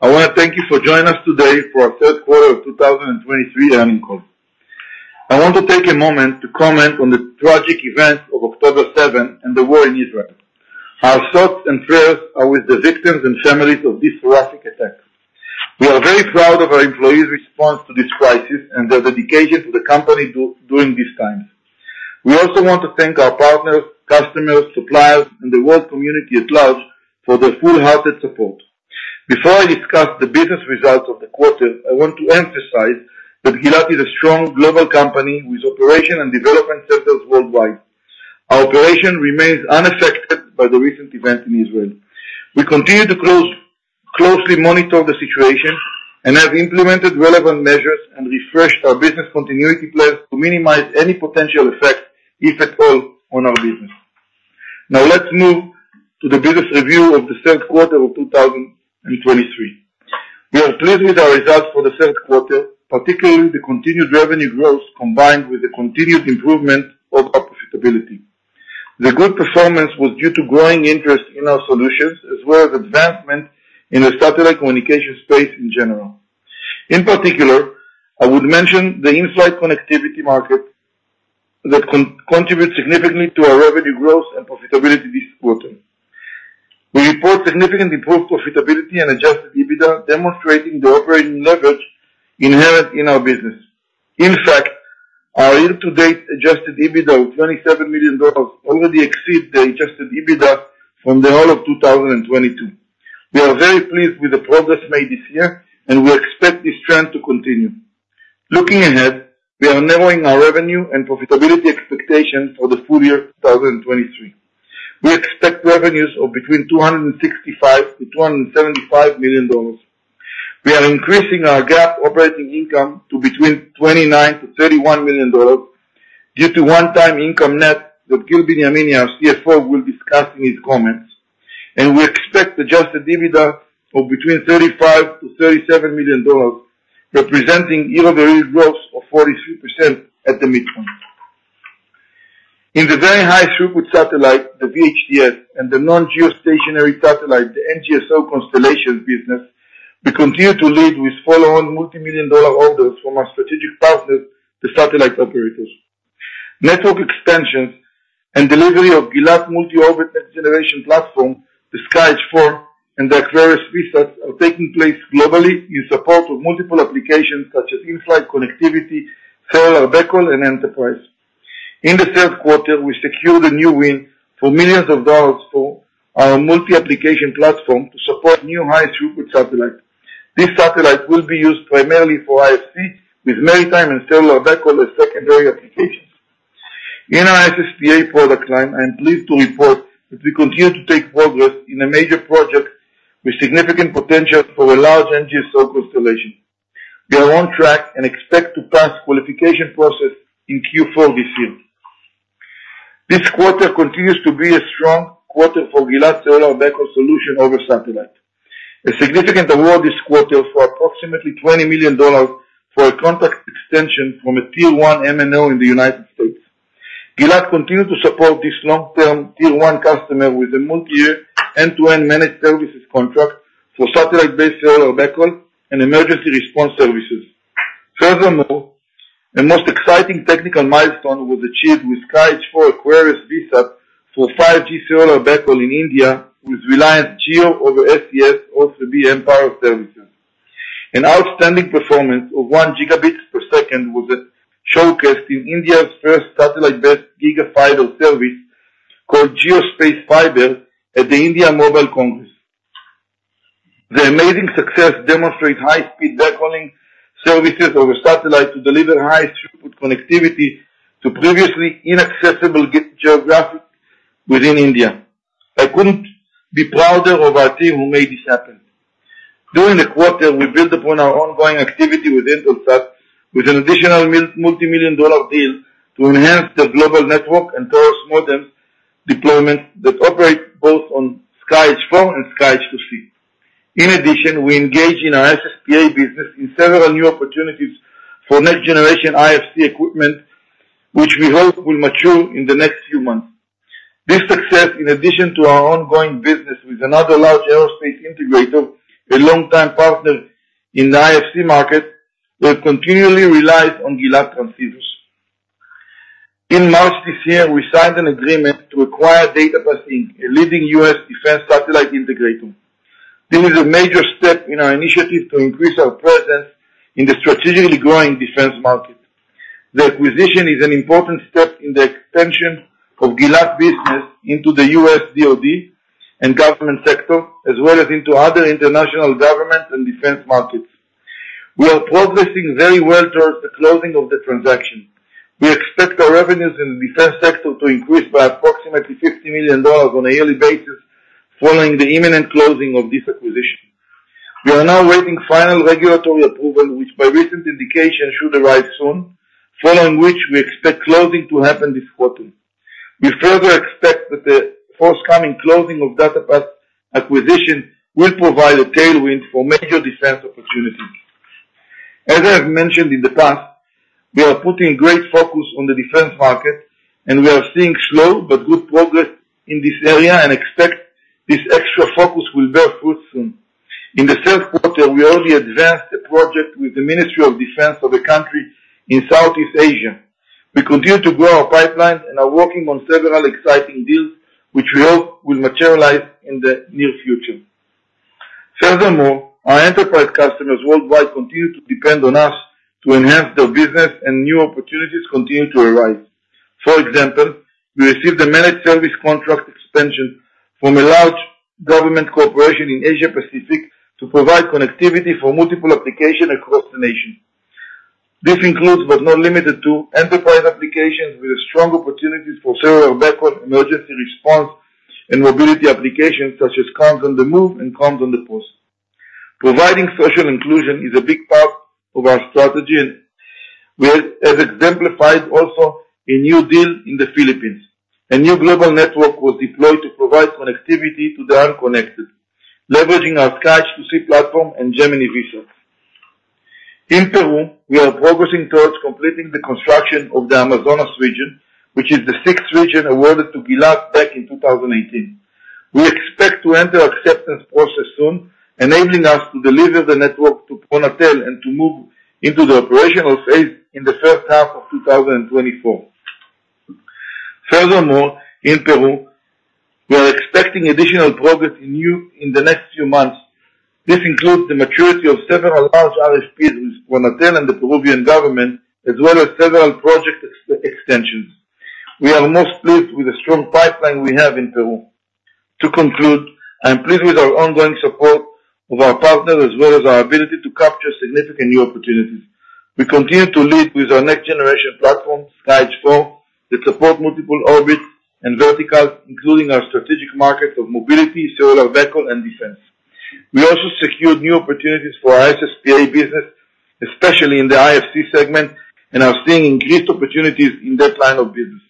I want to thank you for joining us today for our third quarter of 2023 earnings call. I want to take a moment to comment on the tragic events of October 7 and the war in Israel. Our thoughts and prayers are with the victims and families of this horrific attack. We are very proud of our employees' response to this crisis and their dedication to the company during this time. We also want to thank our partners, customers, suppliers, and the world community at large for their full-hearted support. Before I discuss the business results of the quarter, I want to emphasize that Gilat is a strong global company with operation and development centers worldwide. Our operation remains unaffected by the recent events in Israel. We continue to closely monitor the situation and have implemented relevant measures and refreshed our business continuity plans to minimize any potential effect, if at all, on our business. Now, let's move to the business review of the third quarter of 2023. We are pleased with our results for the third quarter, particularly the continued revenue growth, combined with the continued improvement of our profitability. The good performance was due to growing interest in our solutions, as well as advancement in the satellite communication space in general. In particular, I would mention the in-flight connectivity market that contribute significantly to our revenue growth and profitability this quarter. We report significant improved profitability and adjusted EBITDA, demonstrating the operating leverage inherent in our business. In fact, our year-to-date adjusted EBITDA of $27 million already exceeds the adjusted EBITDA from the whole of 2022. We are very pleased with the progress made this year, and we expect this trend to continue. Looking ahead, we are narrowing our revenue and profitability expectations for the full year 2023. We expect revenues of between $265 million-$275 million. We are increasing our GAAP operating income to between $29 million-$31 million due to one-time income net that Gil Benyamini, our CFO, will discuss in his comments. We expect adjusted EBITDA of between $35 million-$37 million, representing year-over-year growth of 43% at the midpoint. In the Very High Throughput Satellite, the VHTS, and the Non-Geostationary Satellite, the NGSO constellations business, we continue to lead with follow-on multi-million-dollar orders from our strategic partners, the satellite operators. Network extensions and delivery of Gilat's multi-orbit acceleration platform, the SkyEdge IV, and their various VSATs, are taking place globally in support of multiple applications such as in-flight connectivity, cellular backhaul, and enterprise. In the third quarter, we secured a new win for millions of dollars for our multi-application platform to support new high throughput satellite. This satellite will be used primarily for IFC, with maritime and cellular backhaul as secondary applications. In our SSPA product line, I am pleased to report that we continue to take progress in a major project with significant potential for a large NGSO constellation. We are on track and expect to pass qualification process in Q4 this year. This quarter continues to be a strong quarter for Gilat cellular backhaul solution over satellite. A significant award this quarter for approximately $20 million for a contract extension from Tier 1 MNO in the United States. Gilat continues to support this Tier 1 customer with a multi-year, end-to-end managed services contract for satellite-based cellular backhaul and emergency response services. Furthermore, a most exciting technical milestone was achieved with SkyEdge IV Aquarius VSAT for 5G cellular backhaul in India, with Reliance Jio over SES O3b mPOWER services. An outstanding performance of 1 Gbps was showcased in India's first satellite-based gigafiber service, called JioSpaceFiber, at the India Mobile Congress. The amazing success demonstrates high-speed backhauling services over satellite to deliver high throughput connectivity to previously inaccessible geographic within India. I couldn't be prouder of our team who made this happen. During the quarter, we built upon our ongoing activity with Intelsat, with an additional multi-million-dollar deal to enhance the global network and Taurus modem deployments that operate both on SkyEdge IV and SkyEdge II-c. In addition, we engaged in our SSPA business in several new opportunities for next generation IFC equipment, which we hope will mature in the next few months. This success, in addition to our ongoing business with another large aerospace integrator, a long-time partner in the IFC market, will continually rely on Gilat transistors. In March this year, we signed an agreement to acquire DataPath, Inc, a leading U.S. defense satellite integrator. This is a major step in our initiative to increase our presence in the strategically growing defense market. The acquisition is an important step in the expansion of Gilat business into the U.S. DoD and government sector, as well as into other international government and defense markets. We are progressing very well towards the closing of the transaction. We expect our revenues in the defense sector to increase by approximately $50 million on a yearly basis, following the imminent closing of this acquisition. We are now awaiting final regulatory approval, which by recent indication, should arrive soon, following which we expect closing to happen this quarter. We further expect that the forthcoming closing of DataPath acquisition will provide a tailwind for major defense opportunities. As I have mentioned in the past, we are putting great focus on the defense market, and we are seeing slow but good progress in this area and expect this extra focus will bear fruit soon. In the third quarter, we already advanced a project with the Ministry of Defense of a country in Southeast Asia. We continue to grow our pipeline and are working on several exciting deals, which we hope will materialize in the near future. Furthermore, our enterprise customers worldwide continue to depend on us to enhance their business, and new opportunities continue to arise. For example, we received a managed service contract expansion from a large government corporation in Asia Pacific, to provide connectivity for multiple applications across the nation. This includes, but not limited to, enterprise applications with strong opportunities for several backhaul emergency response and mobility applications such as Comms on the Move and Comms on the Pause. Providing social inclusion is a big part of our strategy, and we have exemplified also a new deal in the Philippines. A new global network was deployed to provide connectivity to the unconnected, leveraging our SkyEdge II-c platform and Gemini VSAT. In Peru, we are progressing towards completing the construction of the Amazonas region, which is the sixth region awarded to Gilat back in 2018. We expect to enter acceptance process soon, enabling us to deliver the network to Pronatel and to move into the operational phase in the first half of 2024. Furthermore, in Peru, we are expecting additional progress in the next few months. This includes the maturity of several large RFPs with Pronatel and the Peruvian government, as well as several project extensions. We are most pleased with the strong pipeline we have in Peru. To conclude, I'm pleased with our ongoing support of our partners, as well as our ability to capture significant new opportunities. We continue to lead with our next generation platform, SkyEdge IV, that support multiple orbits and verticals, including our strategic markets of mobility, solar, vehicle, and defense. We also secured new opportunities for our SSPA business, especially in the IFC segment, and are seeing increased opportunities in that line of business.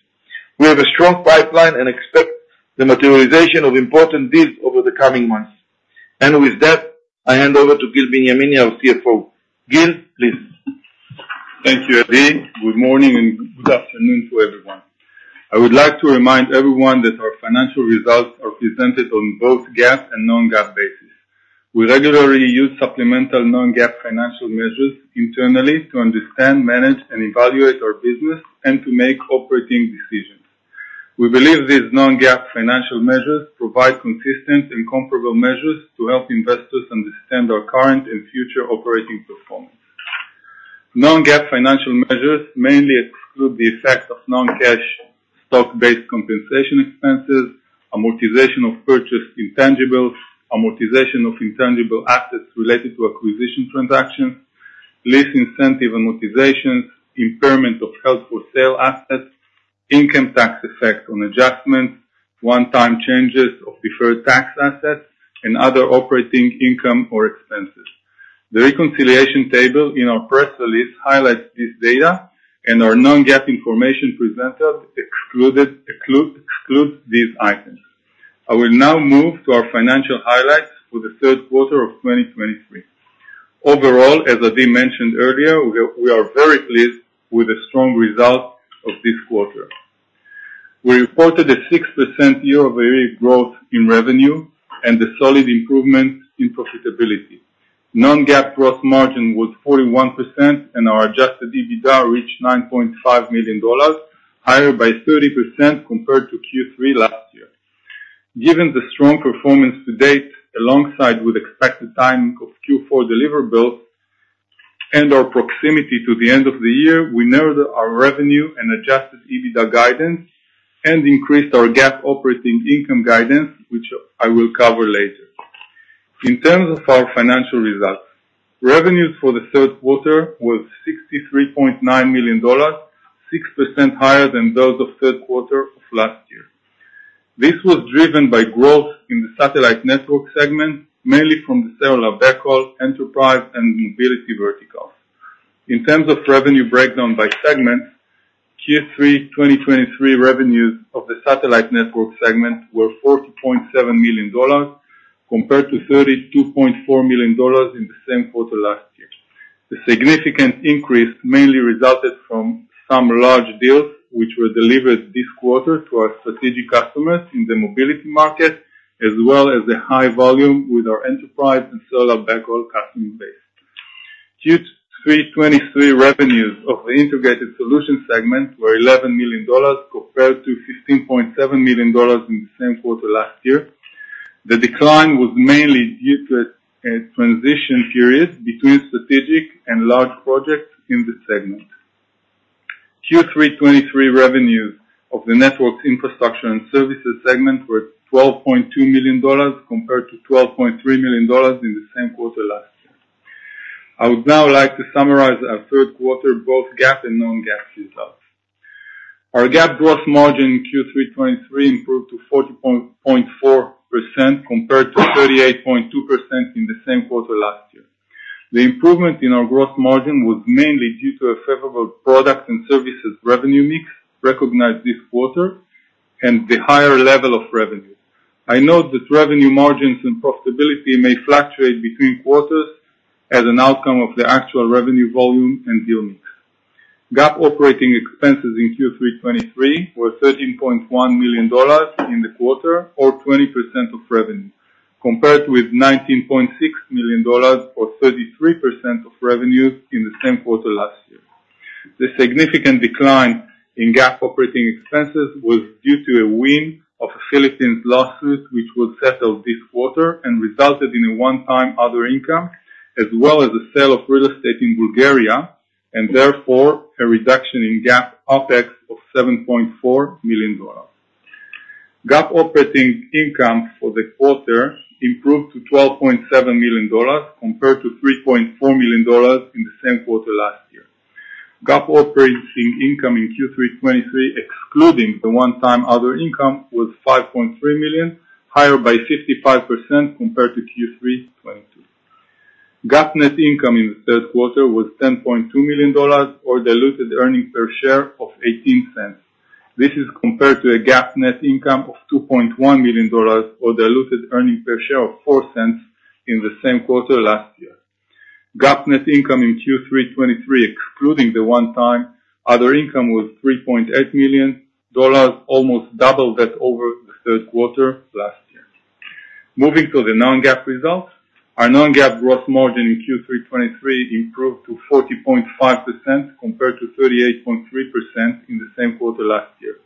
We have a strong pipeline and expect the materialization of important deals over the coming months. With that, I hand over to Gil Benyamini, our CFO. Gil, please. Thank you, Adi. Good morning and good afternoon to everyone. I would like to remind everyone that our financial results are presented on both GAAP and non-GAAP basis. We regularly use supplemental non-GAAP financial measures internally to understand, manage, and evaluate our business and to make operating decisions. We believe these non-GAAP financial measures provide consistent and comparable measures to help investors understand our current and future operating performance. Non-GAAP financial measures mainly exclude the effect of non-cash stock-based compensation expenses, amortization of purchased intangibles, amortization of intangible assets related to acquisition transactions, lease incentive amortization, impairment of held-for-sale assets, income tax effect on adjustments, one-time changes of deferred tax assets, and other operating income or expenses. The reconciliation table in our press release highlights this data, and our non-GAAP information presented excluded, exclude, excludes these items. I will now move to our financial highlights for the third quarter of 2023. Overall, as Adi mentioned earlier, we are very pleased with the strong results of this quarter. We reported a 6% year-over-year growth in revenue and a solid improvement in profitability. Non-GAAP gross margin was 41%, and our adjusted EBITDA reached $9.5 million, higher by 30% compared to Q3 last year. Given the strong performance to date, alongside with expected timing of Q4 deliverables and our proximity to the end of the year, we narrowed our revenue and adjusted EBITDA guidance and increased our GAAP operating income guidance, which I will cover later. In terms of our financial results, revenues for the third quarter was $63.9 million, 6% higher than those of third quarter of last year. This was driven by growth in the Satellite Network segment, mainly from the cellular backhaul, enterprise, and mobility verticals. In terms of revenue breakdown by segment, Q3 2023 revenues of the Satellite Network segment were $40.7 million, compared to $32.4 million in the same quarter last year. The significant increase mainly resulted from some large deals, which were delivered this quarter to our strategic customers in the mobility market, as well as the high volume with our enterprise and cellular backhaul customer base. Q3 2023 revenues of the Integrated Solutions segment were $11 million, compared to $15.7 million in the same quarter last year. The decline was mainly due to a transition period between strategic and large projects in the segment. Q3 2023 revenues of the Network Infrastructure and Services segment were $12.2 million, compared to $12.3 million in the same quarter last year. I would now like to summarize our third quarter, both GAAP and non-GAAP results. Our GAAP gross margin in Q3 2023 improved to 40.4%, compared to 38.2% in the same quarter last year. The improvement in our gross margin was mainly due to a favorable product and services revenue mix recognized this quarter and the higher level of revenue. I note that revenue margins and profitability may fluctuate between quarters as an outcome of the actual revenue volume and deal mix. GAAP operating expenses in Q3 2023 were $13.1 million in the quarter, or 20% of revenue, compared with $19.6 million, or 33% of revenues in the same quarter last year. The significant decline in GAAP operating expenses was due to a win of a Philippines lawsuit, which was settled this quarter and resulted in a one-time other income, as well as the sale of real estate in Bulgaria, and therefore a reduction in GAAP OpEx of $7.4 million. GAAP operating income for the quarter improved to $12.7 million, compared to $3.4 million in the same quarter last year. GAAP operating income in Q3 2023, excluding the one-time other income, was $5.3 million, higher by 55% compared to Q3 2022. GAAP net income in the third quarter was $10.2 million, or diluted earnings per share of $0.18. This is compared to a GAAP net income of $2.1 million, or diluted earnings per share of $0.04 in the same quarter last year. GAAP net income in Q3 2023, excluding the one-time other income, was $3.8 million, almost double that over the third quarter last year. Moving to the non-GAAP results, our non-GAAP gross margin in Q3 2023 improved to 40.5%, compared to 38.3% in the same quarter last year.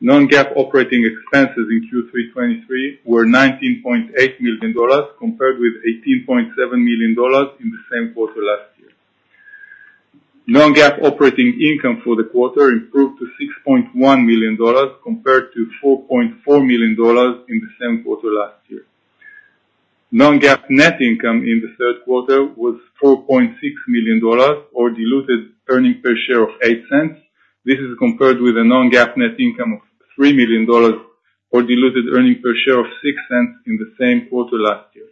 Non-GAAP operating expenses in Q3 2023 were $19.8 million, compared with $18.7 million in the same quarter last year. Non-GAAP operating income for the quarter improved to $6.1 million, compared to $4.4 million in the same quarter last year. Non-GAAP net income in the third quarter was $4.6 million, or diluted earnings per share of $0.08. This is compared with a non-GAAP net income of $3 million, or diluted earnings per share of $0.06 in the same quarter last year.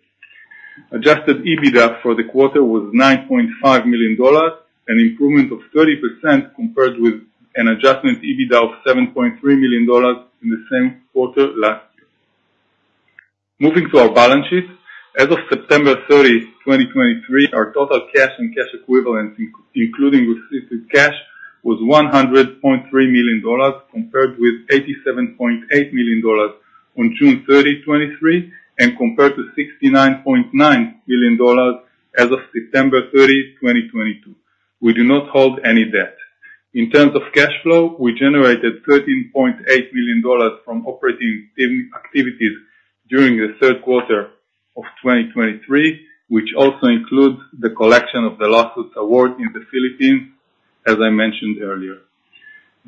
Adjusted EBITDA for the quarter was $9.5 million, an improvement of 30%, compared with an adjusted EBITDA of $7.3 million in the same quarter last year. Moving to our balance sheet, as of September 30, 2023, our total cash and cash equivalents, including restricted cash, was $100.3 million, compared with $87.8 million on June 30, 2023, and compared to $69.9 million as of September 30, 2022. We do not hold any debt. In terms of cash flow, we generated $13.8 million from operating activities during the third quarter of 2023, which also includes the collection of the lawsuit award in the Philippines, as I mentioned earlier.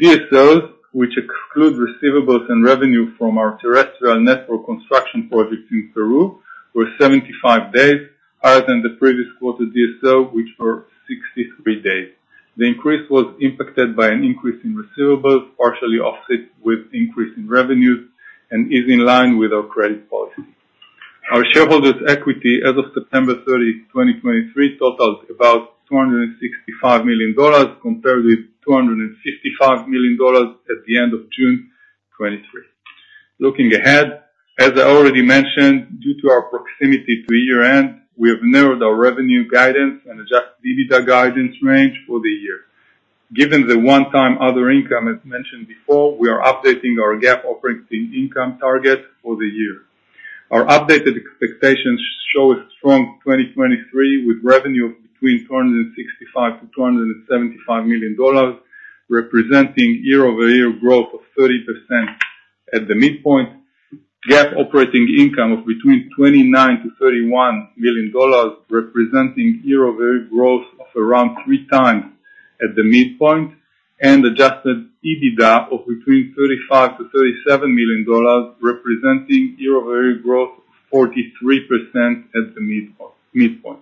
DSOs, which exclude receivables and revenue from our terrestrial network construction projects in Peru, were 75 days higher than the previous quarter DSO, which were 63 days. The increase was impacted by an increase in receivables, partially offset with increase in revenues, and is in line with our credit policy. Our shareholders' equity as of September 30, 2023, totals about $265 million, compared with $255 million at the end of June 2023. Looking ahead, as I already mentioned, due to our proximity to year-end, we have narrowed our revenue guidance and adjusted EBITDA guidance range for the year. Given the one-time other income, as mentioned before, we are updating our GAAP operating income target for the year. Our updated expectations show a strong 2023, with revenue of between $265 million-$275 million, representing year-over-year growth of 30% at the midpoint. GAAP operating income of between $29 million-$31 million, representing year-over-year growth of around 3x at the midpoint, and adjusted EBITDA of between $35 million-$37 million, representing year-over-year growth of 43% at the midpoint.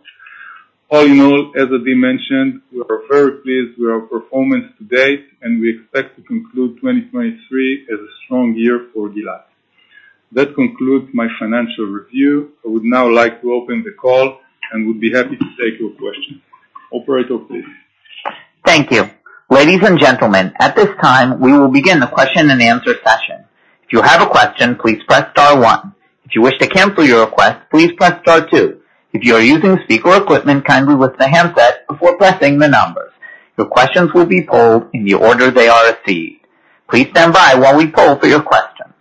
All in all, as have been mentioned, we are very pleased with our performance today, and we expect to conclude 2023 as a strong year for Gilat. That concludes my financial review. I would now like to open the call and would be happy to take your questions. Operator, please. Thank you. Ladies and gentlemen, at this time, we will begin the question-and-answer session. If you have a question, please press star one. If you wish to cancel your request, please press star two. If you are using speaker equipment, kindly listen to handset before pressing the numbers. Your questions will be polled in the order they are received. Please stand by while we poll for your questions.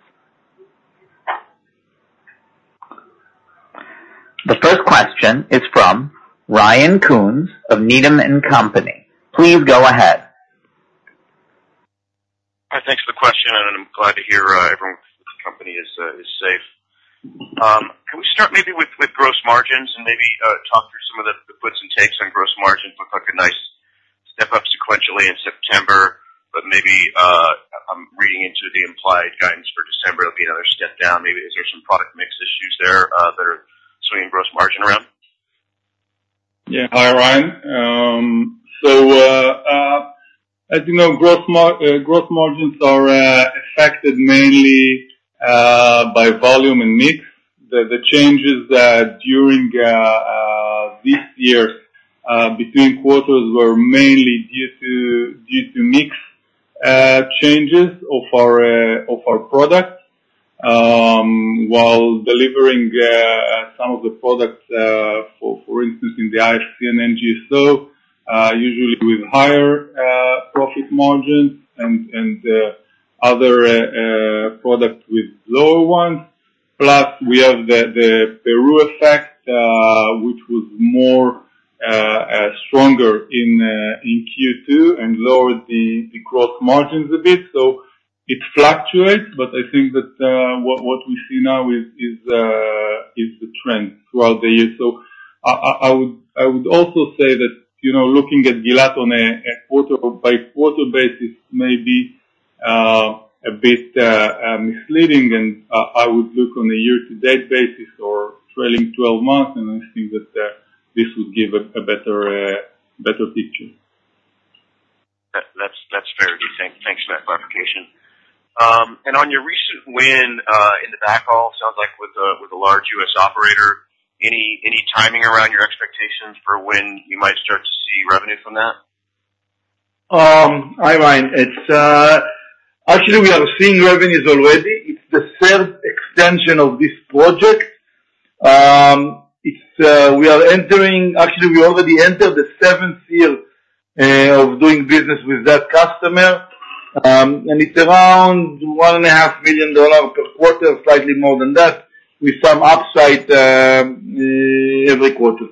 The first question is from Ryan Koontz of Needham & Company. Please go ahead. Hi, thanks for the question, and I'm glad to hear everyone from the company is safe. Can we start maybe with gross margins and maybe talk through some of the puts and takes on gross margins? Looks like a nice step up sequentially in September, but maybe I'm reading into the implied guidance for December, it'll be another step down. Maybe is there some product mix issues there that are swinging gross margin around? Yeah. Hi, Ryan. So, as you know, gross margins are affected mainly by volume and mix. The changes during this year between quarters were mainly due to mix changes of our products. While delivering some of the products, for instance, in the IFC and NGSO, usually with higher profit margins and other products with lower ones. Plus, we have the Peru effect, which was more stronger in Q2 and lowered the gross margins a bit, so it fluctuates, but I think that what we see now is the trend throughout the year. So I would also say that, you know, looking at Gilat on a quarter-by-quarter basis may be a bit misleading, and I would look on a year-to-date basis or trailing twelve months, and I think that this would give a better picture. That's fair. Thanks for that clarification. And on your recent win in the backhaul, sounds like with a large U.S. operator, any timing around your expectations for when you might start to see revenue from that? Hi, Ryan. Actually, we are seeing revenues already. It's the third extension of this project. Actually, we already entered the seventh year of doing business with that customer, and it's around $1.5 million per quarter, slightly more than that, with some upside, every quarter.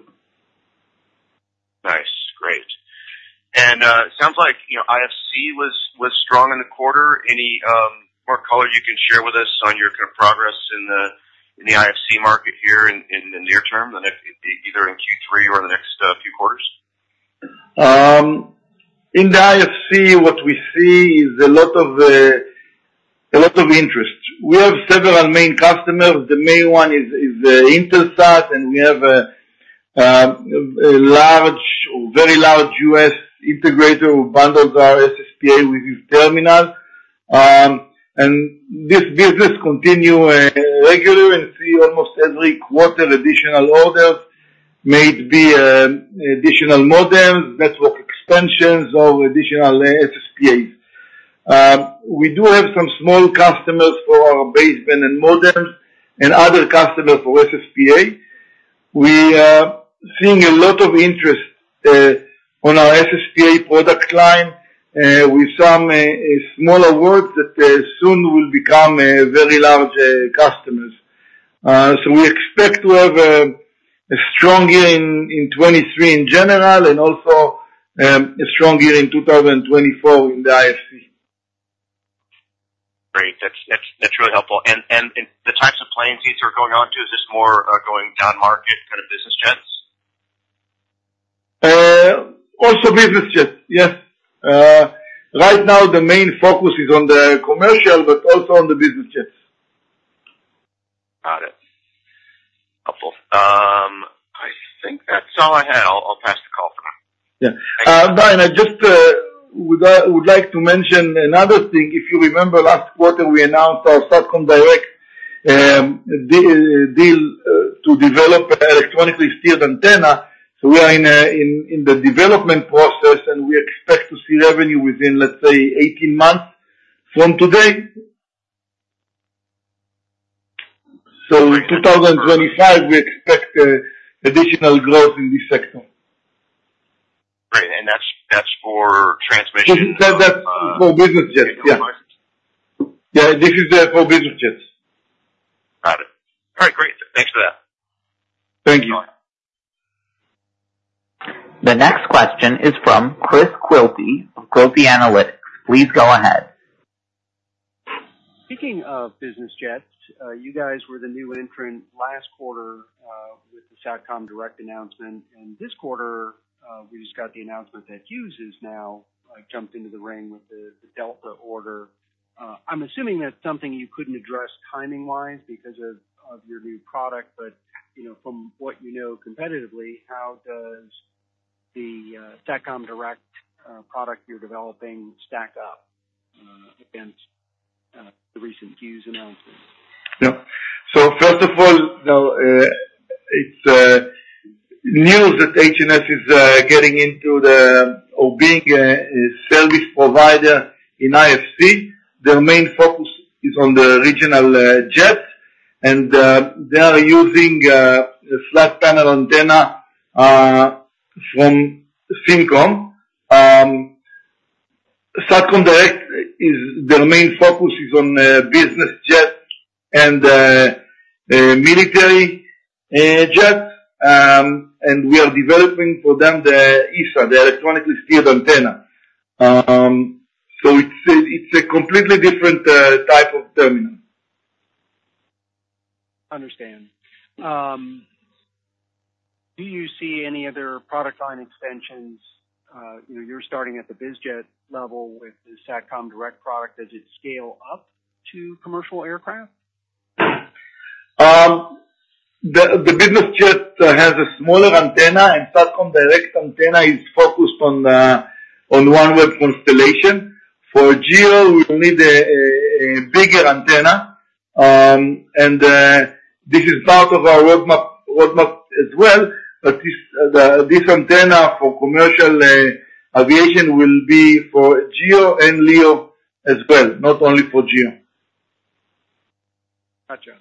Nice. Great. Sounds like, you know, IFC was strong in the quarter. Any more color you can share with us on your kind of progress in the IFC market here in the near term, the next, either in Q3 or in the next few quarters? In the IFC, what we see is a lot of interest. We have several main customers. The main one is Intelsat, and we have a large, very large U.S. integrator who bundles our SSPA with his terminals. And this business continues regularly and we see almost every quarter additional orders, may it be additional modems, network extensions, or additional SSPAs. We do have some small customers for our baseband and modems and other customers for SSPA. We are seeing a lot of interest on our SSPA product line with some smaller works that soon will become a very large customers. So we expect to have a strong year in 2023 in general and also a strong year in 2024 in the IFC. Great. That's really helpful. And in the types of planes these are going on to, is this more going downmarket kind of business jets? Also business jets, yes. Right now, the main focus is on the commercial, but also on the business jets. Got it. Helpful. I think that's all I have. I'll pass the call through. Yeah. Ryan, I just would like to mention another thing. If you remember last quarter, we announced our Satcom Direct deal to develop an electronically steered antenna. So we are in the development process, and we expect to see revenue within, let's say, 18 months from today. So in 2025, we expect additional growth in this sector. Great. That's for transmission? That's for business jets, yes. Yeah. Okay. Yeah, this is for business jets. Got it. All right, great. Thanks for that. Thank you. The next question is from Chris Quilty of Quilty Analytics. Please go ahead. Speaking of business jets, you guys were the new entrant last quarter, with the Satcom Direct announcement. And this quarter, we just got the announcement that Hughes is now, like, jumped into the ring with the Delta order. I'm assuming that's something you couldn't address timing-wise because of your new product, but, you know, from what you know competitively, how does the Satcom Direct product you're developing stack up against the recent Hughes announcement? Yeah. So first of all, you know, it's news that HNS is getting into the... Or being a service provider in IFC. Their main focus is on the regional jets, and they are using a flat panel antenna from ThinKom. Satcom Direct is, their main focus is on business jets and military jets. And we are developing for them the ESA, the electronically steered antenna. So it's a, it's a completely different type of terminal. Understand. Do you see any other product line extensions? You know, you're starting at the bizjet level with the Satcom Direct product. Does it scale up to commercial aircraft? The business jet has a smaller antenna, and Satcom Direct's antenna is focused on the OneWeb constellation. For GEO, we need a bigger antenna, and this is part of our roadmap as well. But this antenna for commercial aviation will be for GEO and LEO as well, not only for GEO. Gotcha.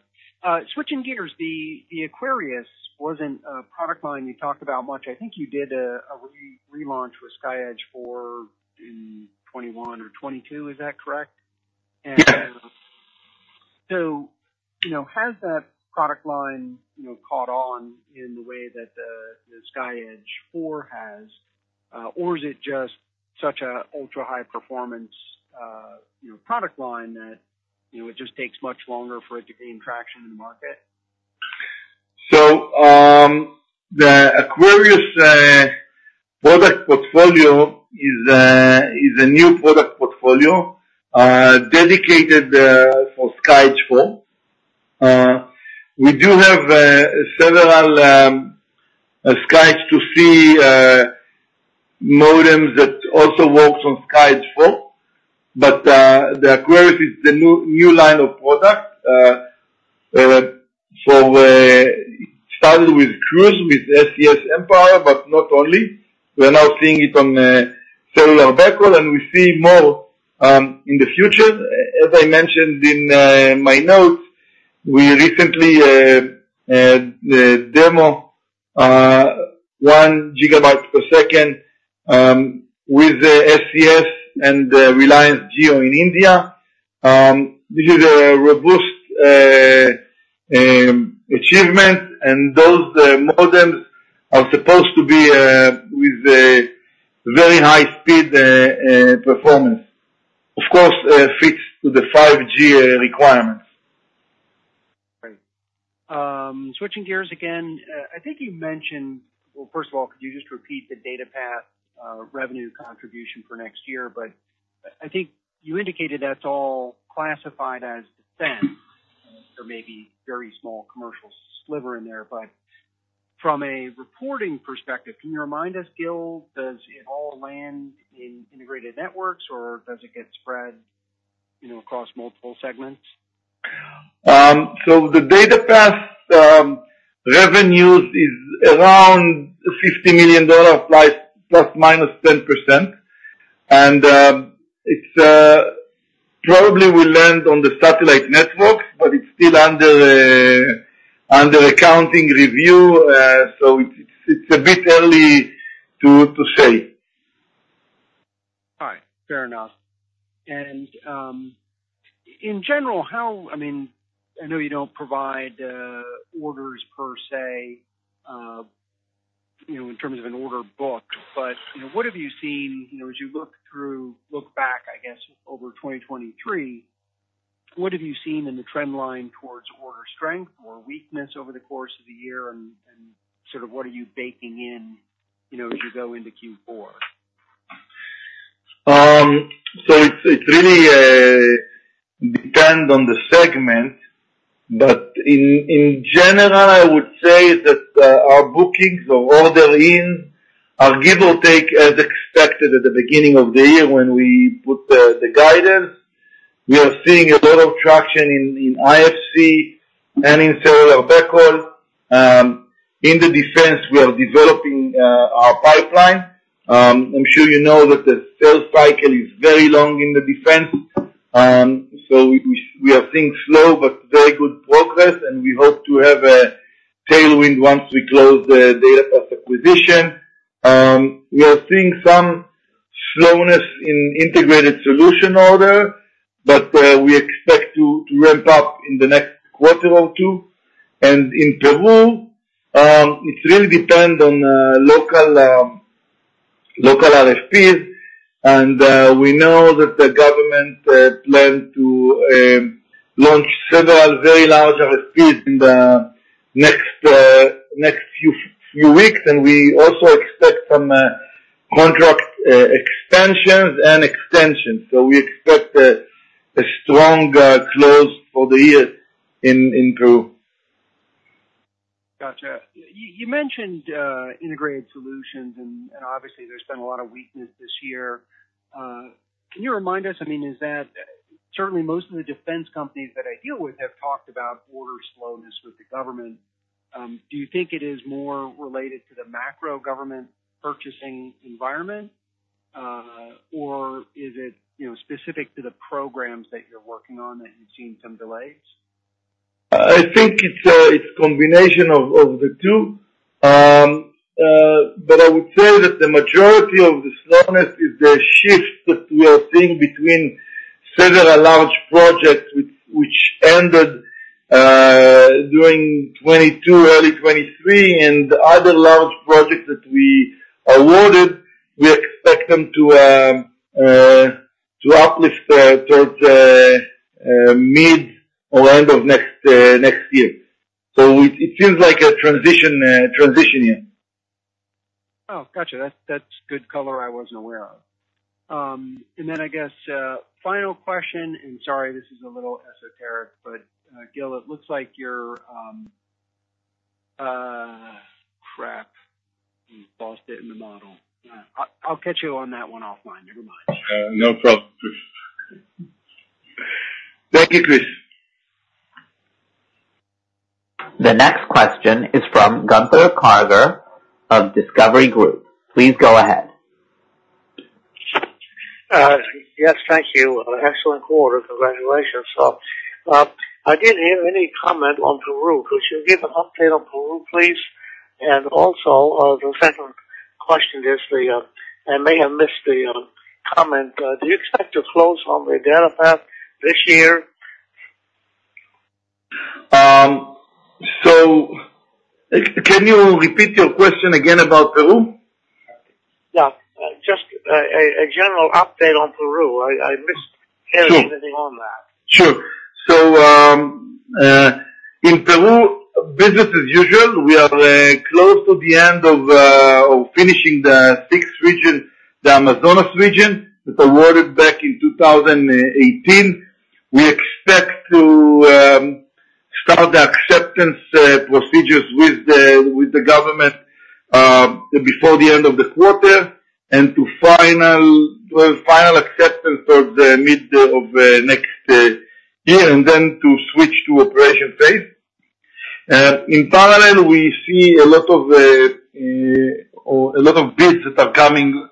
Switching gears, the Aquarius wasn't a product line you talked about much. I think you did a relaunch with SkyEdge IV in 2021-2022. Is that correct? Yeah. So, you know, has that product line, you know, caught on in the way that the SkyEdge IV has? Or is it just such a ultra-high performance, you know, product line that, you know, it just takes much longer for it to gain traction in the market? So, the Aquarius product portfolio is a new product portfolio dedicated for SkyEdge IV. We do have several SkyEdge II-c modems that also works on SkyEdge IV, but the Aquarius is the new line of products. So, it started with cruise with SES mPOWER, but not only. We're now seeing it on cellular backhaul, and we see more in the future. As I mentioned in my notes, we recently demo 1 GB per second with the SES and the Reliance Jio in India. This is a robust achievement, and those modems are supposed to be with a very high speed performance. Of course, fits to the 5G requirements. Right. Switching gears again. I think you mentioned, well, first of all, could you just repeat the DataPath revenue contribution for next year? But I think you indicated that's all classified as defense. There may be very small commercial sliver in there, but from a reporting perspective, can you remind us, Gil, does it all land in integrated networks, or does it get spread, you know, across multiple segments? So the DataPath revenues is around $50 million, ±10%. And it's probably will land on the satellite networks, but it's still under accounting review. So it's a bit early to say. All right. Fair enough. And, in general, I mean, I know you don't provide, orders per se, you know, in terms of an order booked, but, you know, what have you seen, you know, as you look back, I guess, over 2023, what have you seen in the trend line towards order strength or weakness over the course of the year? And, and sort of what are you baking in, you know, as you go into Q4? So it's, it really, depend on the segment, but in, in general, I would say that, our bookings or order in are give or take, as expected at the beginning of the year when we put the, the guidance. We are seeing a lot of traction in, in IFC and in cellular backhaul. In the defense, we are developing, our pipeline. I'm sure you know that the sales cycle is very long in the defense. So we, we are seeing slow but very good progress, and we hope to have a tailwind once we close the DataPath acquisition. We are seeing some slowness in integrated solution order, but we expect to, to ramp up in the next quarter or two. In Peru, it really depend on local RFPs, and we know that the government planned to launch several very large RFPs in the next few weeks, and we also expect some contract expansions and extensions. So we expect a strong close for the year in Peru. Gotcha. You mentioned integrated solutions, and obviously there's been a lot of weakness this year. Can you remind us, I mean, is that... Certainly most of the defense companies that I deal with have talked about order slowness with the government. Do you think it is more related to the macro government purchasing environment, or is it, you know, specific to the programs that you're working on, that you've seen some delays? I think it's, it's combination of, of the two. But I would say that the majority of the slowness is the shift that we are seeing between several large projects which ended during 2022, early 2023, and the other large projects that we awarded, we expect them to to uplift towards mid or end of next, next year. So it seems like a transition year. Oh, gotcha. That's, that's good color I wasn't aware of. And then I guess, final question. And sorry, this is a little esoteric, but, Gilat, it looks like you're, crap! You lost it in the model. I'll, I'll catch you on that one offline. Never mind. No problem, Chris. Thank you, Chris. The next question is from Gunther Karger of Discovery Group. Please go ahead. Yes, thank you. Excellent quarter. Congratulations. So, I didn't hear any comment on Peru. Could you give an update on Peru, please? And also, the second question is, I may have missed the comment. Do you expect to close on the DataPath this year? Can you repeat your question again about Peru? Yeah. Just a general update on Peru. I missed- Sure. Hearing anything on that. Sure. So, in Peru, business as usual, we are close to the end of finishing the sixth region, the Amazonas region, that awarded back in 2018. We expect to start the acceptance procedures with the government before the end of the quarter, and to final, well, final acceptance towards the mid of next year, and then to switch to operation phase. In parallel, we see a lot of or a lot of bids that are coming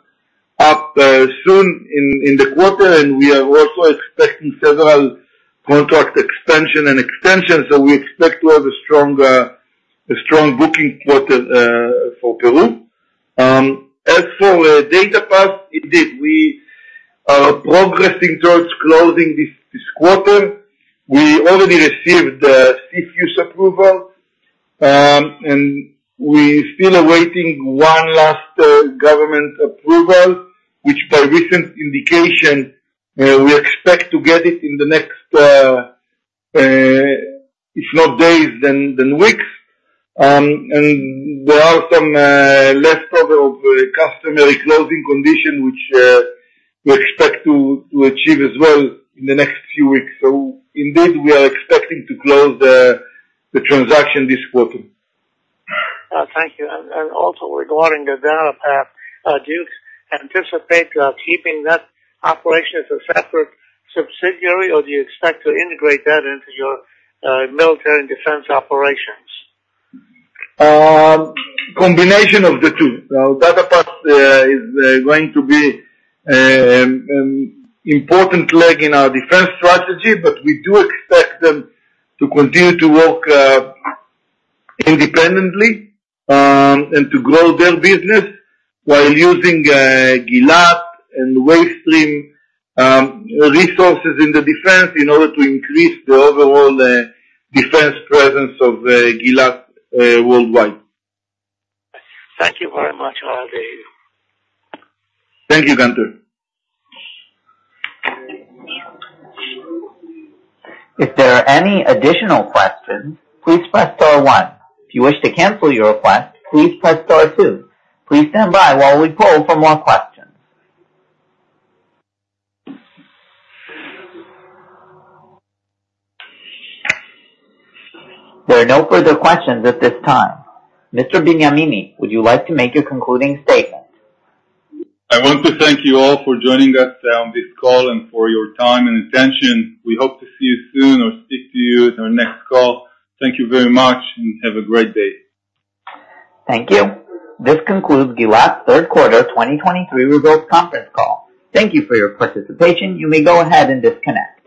up soon in the quarter, and we are also expecting several contract expansion and extensions, so we expect to have a strong a strong booking quarter for Peru. As for DataPath, indeed, we are progressing towards closing this quarter. We already received the CFIUS approval, and we still awaiting one last government approval, which by recent indication we expect to get it in the next if not days, then weeks. And there are some lesser customary closing conditions, which we expect to achieve as well in the next few weeks. So indeed, we are expecting to close the transaction this quarter. Thank you. And also regarding the DataPath, do you anticipate keeping that operation as a separate subsidiary, or do you expect to integrate that into your military and defense operations? Combination of the two. Now, DataPath is going to be important leg in our defense strategy. But we do expect them to continue to work independently and to grow their business while using Gilat and Wavestream resources in the defense in order to increase the overall defense presence of Gilat worldwide. Thank you very much, Adi. Thank you, Gunther. If there are any additional questions, please press star one. If you wish to cancel your request, please press star two. Please stand by while we poll for more questions. There are no further questions at this time. Mr. Benyamini, would you like to make a concluding statement? I want to thank you all for joining us on this call and for your time and attention. We hope to see you soon or speak to you in our next call. Thank you very much and have a great day. Thank you. This concludes Gilat's third quarter 2023 results conference call. Thank you for your participation. You may go ahead and disconnect.